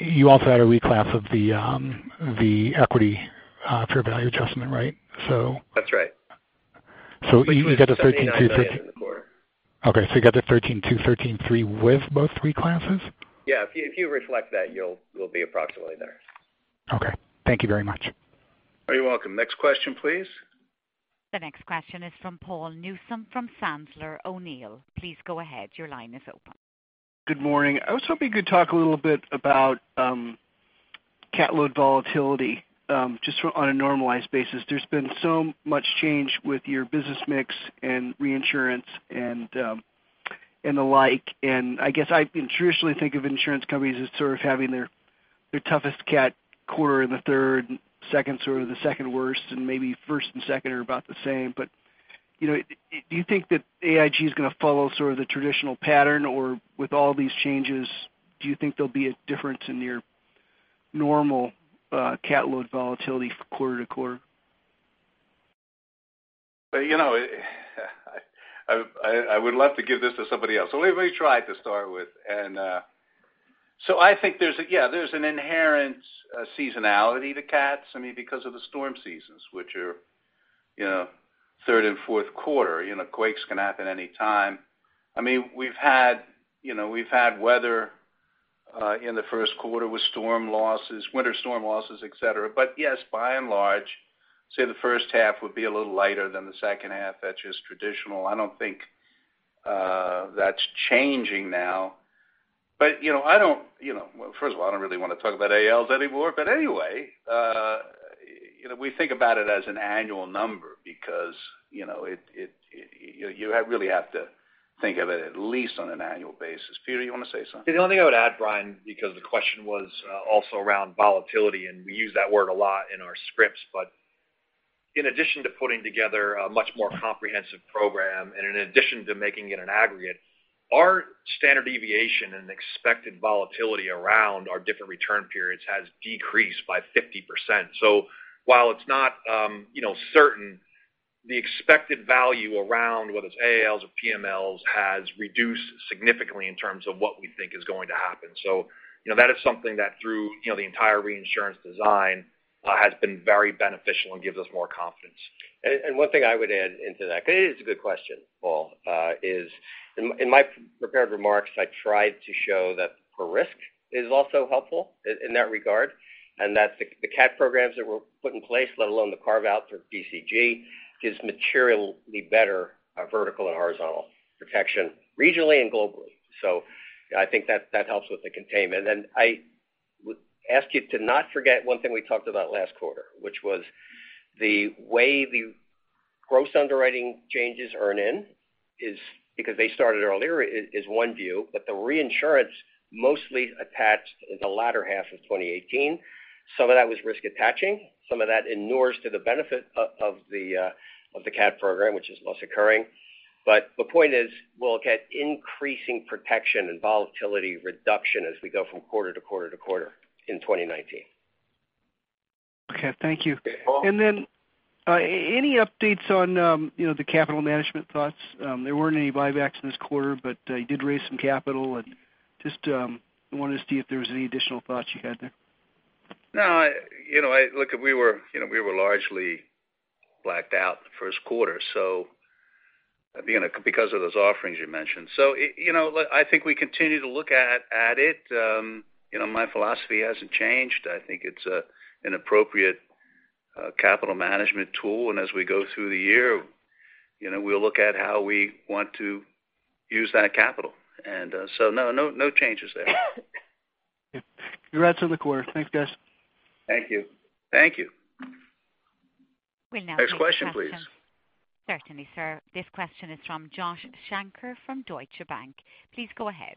You also had a reclass of the equity fair value adjustment, right? That's right. You get the 13.2 in the quarter. Okay. You got the 13.2, 13.3 with both reclasses? Yeah. If you reflect that, you'll be approximately there. Okay. Thank you very much. You're welcome. Next question, please. The next question is from Paul Newsome from Sandler O'Neill. Please go ahead. Your line is open. Good morning. I was hoping you could talk a little bit about cat load volatility, just on a normalized basis. There's been so much change with your business mix and reinsurance and the like. I guess I traditionally think of insurance companies as sort of having their toughest cat quarter in the third, second sort of the second worst, and maybe first and second are about the same. Do you think that AIG is going to follow sort of the traditional pattern? Or with all these changes, do you think there'll be a difference in your normal cat load volatility quarter to quarter? I would love to give this to somebody else. Let me try to start with. I think there's an inherent seasonality to cats, because of the storm seasons, which are third and fourth quarter. Quakes can happen any time. We've had weather in the first quarter with storm losses, winter storm losses, et cetera. Yes, by and large, say the first half would be a little lighter than the second half. That's just traditional. I don't think that's changing now. I don't really want to talk about AALs anymore. Anyway, we think about it as an annual number because you really have to think of it at least on an annual basis. Peter, you want to say something? The only thing I would add, Brian, because the question was also around volatility, and we use that word a lot in our scripts, in addition to putting together a much more comprehensive program and in addition to making it an aggregate, our standard deviation and expected volatility around our different return periods has decreased by 50%. While it's not certain the expected value around whether it's AALs or PML has reduced significantly in terms of what we think is going to happen. That is something that through the entire reinsurance design has been very beneficial and gives us more confidence. One thing I would add into that, because it is a good question, Paul, is in my prepared remarks, I tried to show that per risk is also helpful in that regard, and that the cat programs that were put in place, let alone the carve-out through PCG, gives materially better vertical and horizontal protection regionally and globally. I think that helps with the containment. I would ask you to not forget one thing we talked about last quarter, which was the way the gross underwriting changes earn in is because they started earlier is one view, but the reinsurance mostly attached in the latter half of 2018. Some of that was risk attaching. Some of that inures to the benefit of the cat program, which is loss occurring. The point is, we'll get increasing protection and volatility reduction as we go from quarter to quarter to quarter in 2019. Okay. Thank you. Okay, Paul. Any updates on the capital management thoughts? There weren't any buybacks in this quarter, but you did raise some capital and just wanted to see if there was any additional thoughts you had there. No. Look, we were largely blacked out in the first quarter because of those offerings you mentioned. I think we continue to look at it. My philosophy hasn't changed. I think it's an appropriate capital management tool, and as we go through the year, we'll look at how we want to use that capital. No changes there. Congrats on the quarter. Thanks, guys. Thank you. Thank you. We'll now take a question. Next question, please. Certainly, sir. This question is from Joshua Shanker from Deutsche Bank. Please go ahead.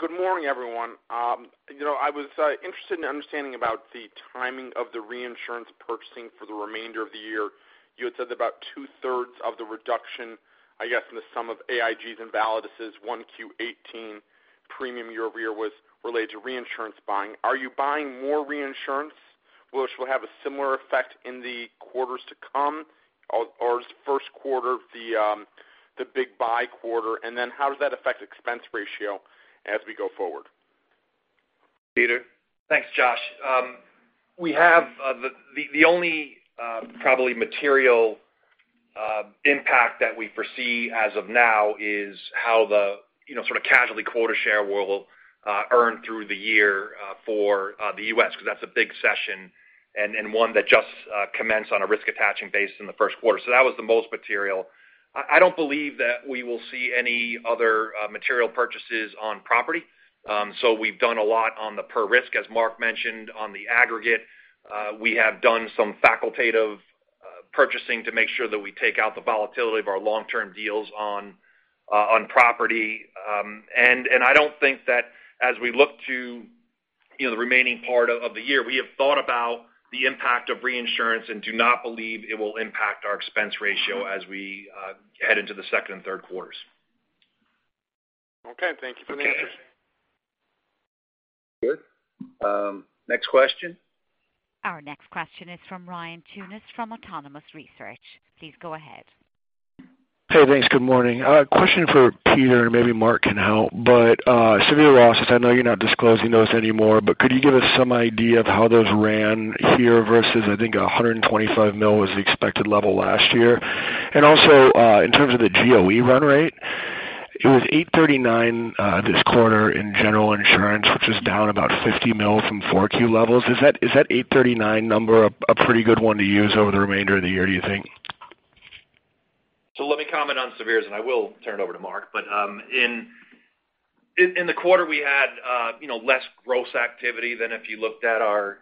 Good morning, everyone. I was interested in understanding about the timing of the reinsurance purchasing for the remainder of the year. You had said about two-thirds of the reduction, I guess, in the sum of AIG's and Validus' 1Q18 premium year-over-year was related to reinsurance buying. Are you buying more reinsurance, which will have a similar effect in the quarters to come, or is the first quarter the big buy quarter? Then how does that affect expense ratio as we go forward? Peter? Thanks, Josh. The only probably material impact that we foresee as of now is how the sort of casualty quota share will earn through the year for the U.S. because that's a big session and one that just commenced on a risk-attaching basis in the first quarter. That was the most material. I don't believe that we will see any other material purchases on property. We've done a lot on the per risk, as Mark mentioned, on the aggregate. We have done some facultative purchasing to make sure that we take out the volatility of our long-term deals on property. I don't think that as we look to the remaining part of the year, we have thought about the impact of reinsurance and do not believe it will impact our expense ratio as we head into the second and third quarters. Okay. Thank you for the answers. Okay. Good. Next question? Our next question is from Ryan Tunis from Autonomous Research. Please go ahead. Hey, thanks. Good morning. A question for Peter, maybe Mark can help. Severe losses, I know you're not disclosing those anymore, but could you give us some idea of how those ran here versus, I think, $125 million was the expected level last year? Also, in terms of the GOE run rate, it was 839 this quarter in General Insurance, which is down about $50 million from 4Q levels. Is that 839 number a pretty good one to use over the remainder of the year, do you think? Let me comment on severes, I will turn it over to Mark. In the quarter, we had less gross activity than if you looked at our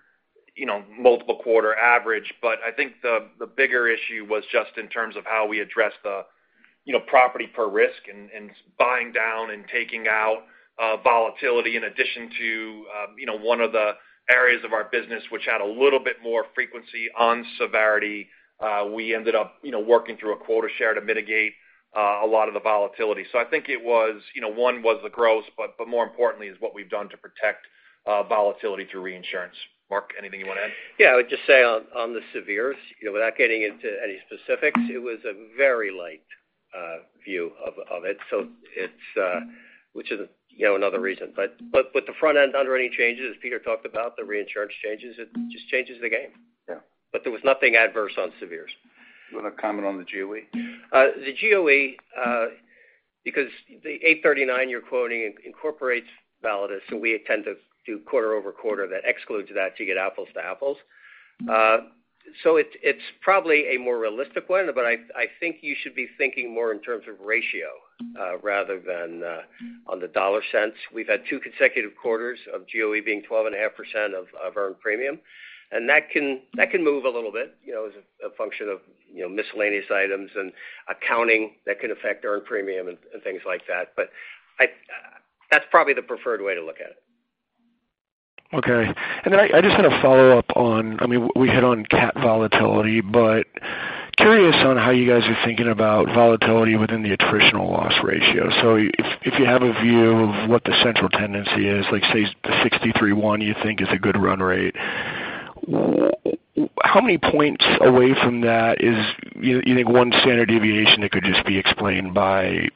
multiple-quarter average. I think the bigger issue was just in terms of how we address the property per risk and buying down and taking out volatility in addition to one of the areas of our business which had a little bit more frequency on severity. We ended up working through a quota share to mitigate a lot of the volatility. I think it was one was the gross, more importantly is what we've done to protect volatility through reinsurance. Mark, anything you want to add? Yeah. I would just say on the severes, without getting into any specifics, it was a very light view of it, which is another reason. With the front-end underwriting changes, as Peter talked about, the reinsurance changes, it just changes the game. Yeah. There was nothing adverse on severes. You want to comment on the GOE? The GOE because the $839 you're quoting incorporates Validus, we tend to do quarter-over-quarter that excludes that to get apples to apples. It's probably a more realistic one, I think you should be thinking more in terms of ratio rather than on the dollar sense. We've had two consecutive quarters of GOE being 12.5% of earned premium, that can move a little bit as a function of miscellaneous items and accounting that can affect earned premium and things like that. That's probably the preferred way to look at it. Okay. Then I just had a follow-up on, we hit on cat volatility, curious on how you guys are thinking about volatility within the attritional loss ratio. If you have a view of what the central tendency is, like say the 631 you think is a good run rate? How many points away from that is you think one standard deviation that could just be explained by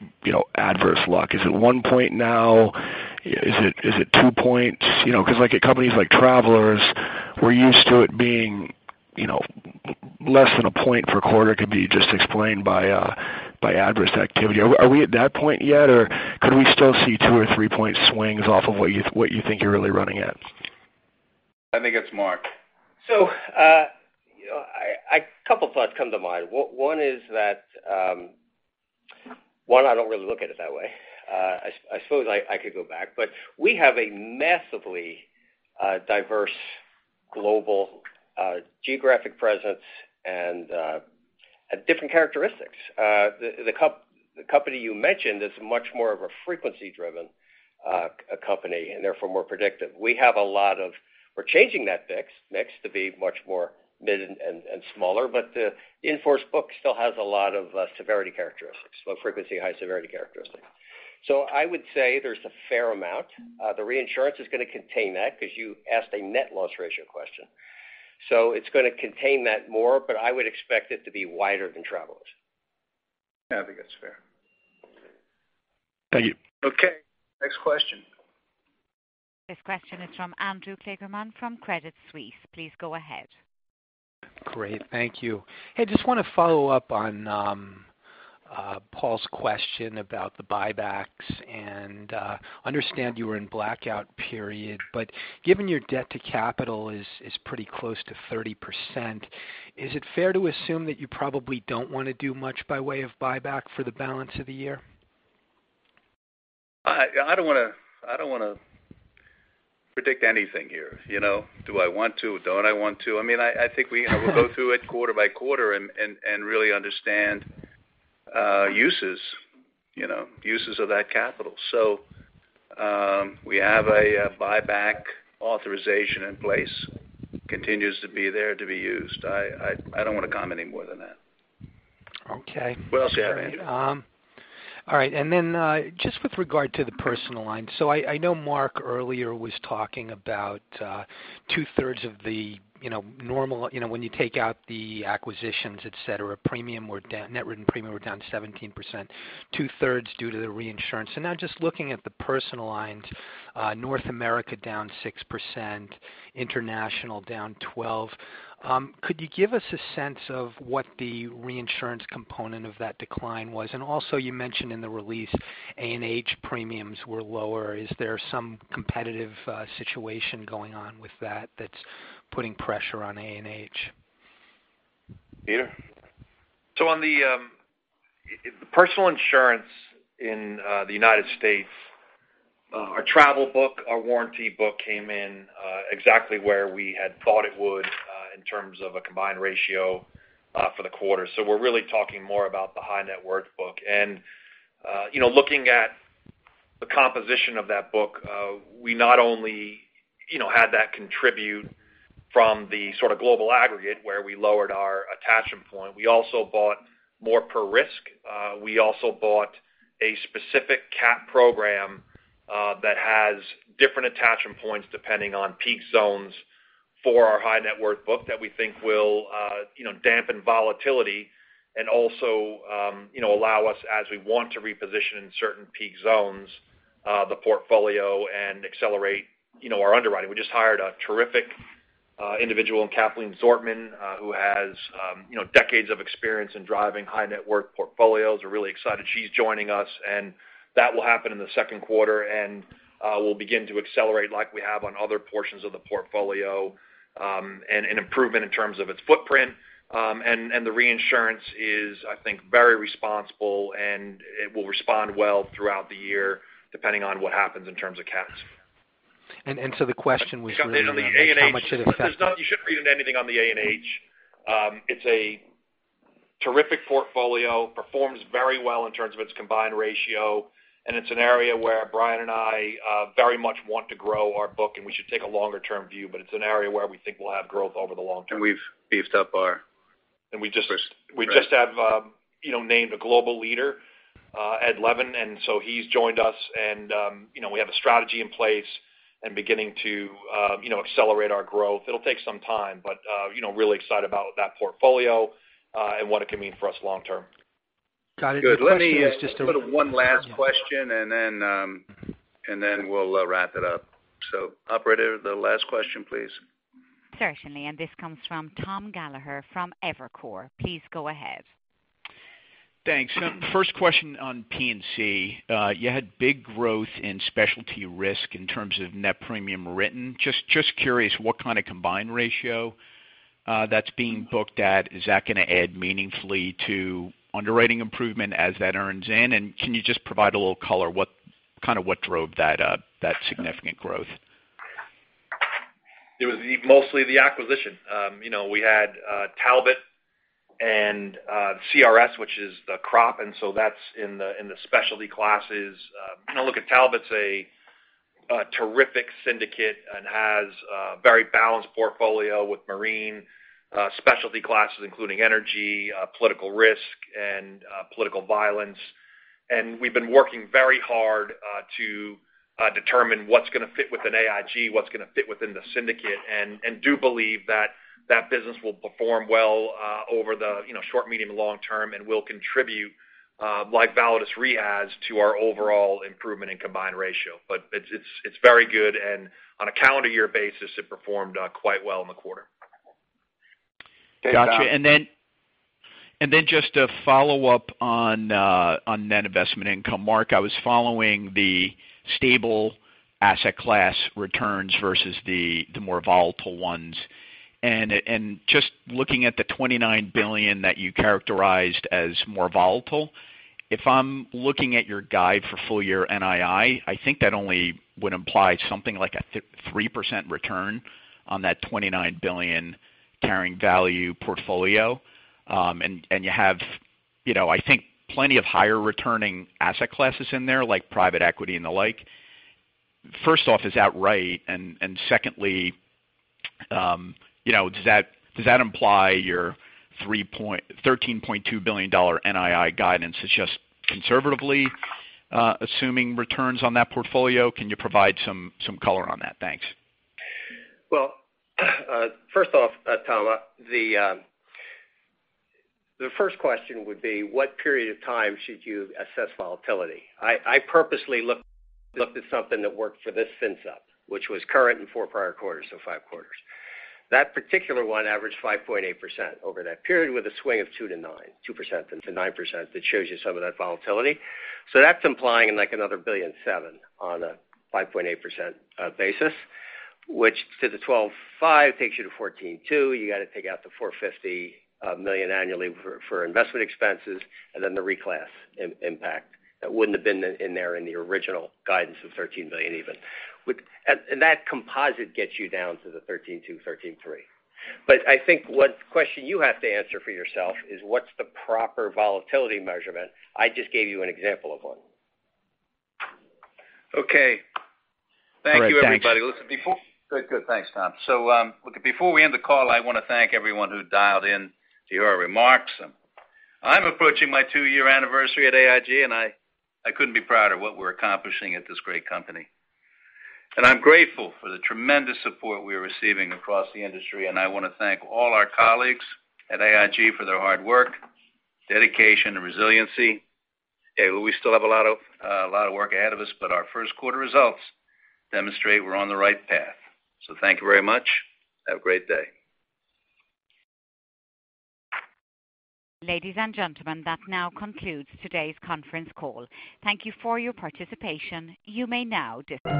adverse luck? Is it one point now? Is it two points? At companies like Travelers, we're used to it being less than a point per quarter could be just explained by adverse activity. Are we at that point yet or could we still see two or three-point swings off of what you think you're really running at? I think that's Mark. A couple of thoughts come to mind. One, I don't really look at it that way. I suppose I could go back, but we have a massively diverse global geographic presence and different characteristics. The company you mentioned is much more of a frequency-driven company, and therefore more predictive. We're changing that mix to be much more mid and smaller, but the in-force book still has a lot of low frequency, high severity characteristics. I would say there's a fair amount. The reinsurance is going to contain that because you asked a net loss ratio question. It's going to contain that more, but I would expect it to be wider than Travelers. I think that's fair. Thank you. Okay, next question. This question is from Andrew Kligerman from Credit Suisse. Please go ahead. Great. Thank you. Hey, just want to follow up on Paul's question about the buybacks. Understand you were in blackout period. Given your debt to capital is pretty close to 30%, is it fair to assume that you probably don't want to do much by way of buyback for the balance of the year? I don't want to predict anything here. Do I want to? Don't I want to? I think we'll go through it quarter by quarter really understand uses of that capital. We have a buyback authorization in place, continues to be there to be used. I don't want to comment any more than that. Okay. What else you have, Andrew? All right. Just with regard to the personal line. I know Mark earlier was talking about two-thirds of the normal, when you take out the acquisitions, et cetera, net written premium were down 17%, two-thirds due to the reinsurance. Now just looking at the personal lines, North America down 6%, international down 12%. Could you give us a sense of what the reinsurance component of that decline was? Also you mentioned in the release A&H premiums were lower. Is there some competitive situation going on with that that's putting pressure on A&H? Peter? On the personal insurance in the United States, our travel book, our warranty book came in exactly where we had thought it would in terms of a combined ratio for the quarter. We're really talking more about the high net worth book. Looking at the composition of that book, we not only had that contribute from the sort of global aggregate where we lowered our attachment point, we also bought more per risk. We also bought a specific cat program that has different attachment points depending on peak zones for our high net worth book that we think will dampen volatility and also allow us, as we want to reposition in certain peak zones, the portfolio and accelerate our underwriting. We just hired a terrific individual, Kathleen Zortman who has decades of experience in driving high net worth portfolios. We're really excited she's joining us. That will happen in the second quarter, we'll begin to accelerate like we have on other portions of the portfolio, and improvement in terms of its footprint. The reinsurance is, I think, very responsible, and it will respond well throughout the year, depending on what happens in terms of cats. The question was really on how much it affected. You shouldn't read into anything on the A&H. It's a terrific portfolio, performs very well in terms of its combined ratio, and it's an area where Brian and I very much want to grow our book, and we should take a longer-term view. It's an area where we think we'll have growth over the long term. We've beefed up our. We just have named a global leader, Edward Levin, and so he's joined us, and we have a strategy in place and beginning to accelerate our growth. It'll take some time, but really excited about that portfolio, and what it can mean for us long term. Got it. Let me go to one last question and then we'll wrap it up. Operator, the last question, please. Certainly. This comes from Thomas Gallagher from Evercore. Please go ahead. Thanks. First question on P&C. You had big growth in specialty risk in terms of net premium written. Just curious what kind of combined ratio that's being booked at. Is that going to add meaningfully to underwriting improvement as that earns in? Can you just provide a little color, what drove that significant growth? It was mostly the acquisition. We had Talbot and CRS, which is the crop, that's in the specialty classes. When I look at Talbot, it's a terrific syndicate and has a very balanced portfolio with marine specialty classes, including energy, political risk, and political violence. We've been working very hard to determine what's going to fit within AIG, what's going to fit within the syndicate, and do believe that that business will perform well over the short, medium, and long term, and will contribute, like Validus Re has, to our overall improvement in combined ratio. It's very good, and on a calendar year basis, it performed quite well in the quarter. Got you. Then just to follow up on net investment income, Mark, I was following the stable asset class returns versus the more volatile ones. Just looking at the $29 billion that you characterized as more volatile, if I'm looking at your guide for full-year NII, I think that only would imply something like a 3% return on that $29 billion carrying value portfolio. You have I think plenty of higher returning asset classes in there, like private equity and the like. First off, is that right? Secondly, does that imply your $13.2 billion NII guidance is just conservatively assuming returns on that portfolio? Can you provide some color on that? Thanks. First off, Tom, the first question would be, what period of time should you assess volatility? I purposely looked at something that worked for this fin sub, which was current in 4 prior quarters, so 5 quarters. That particular one averaged 5.8% over that period with a swing of 2% to 9%, that shows you some of that volatility. That's implying like another $1.7 billion on a 5.8% basis, which to the $12.5 takes you to $14.2. You got to take out the $450 million annually for investment expenses and then the reclass impact that wouldn't have been in there in the original guidance of $13 billion even. That composite gets you down to the $13.2, $13.3. I think what question you have to answer for yourself is what's the proper volatility measurement. I just gave you an example of one. Okay. Thank you, everybody. All right. Thanks. Good, thanks, Tom. Before we end the call, I want to thank everyone who dialed in to hear our remarks. I'm approaching my two-year anniversary at AIG, and I couldn't be prouder of what we're accomplishing at this great company. I'm grateful for the tremendous support we're receiving across the industry, and I want to thank all our colleagues at AIG for their hard work, dedication, and resiliency. We still have a lot of work ahead of us, but our first quarter results demonstrate we're on the right path. Thank you very much. Have a great day. Ladies and gentlemen, that now concludes today's conference call. Thank you for your participation. You may now disconnect.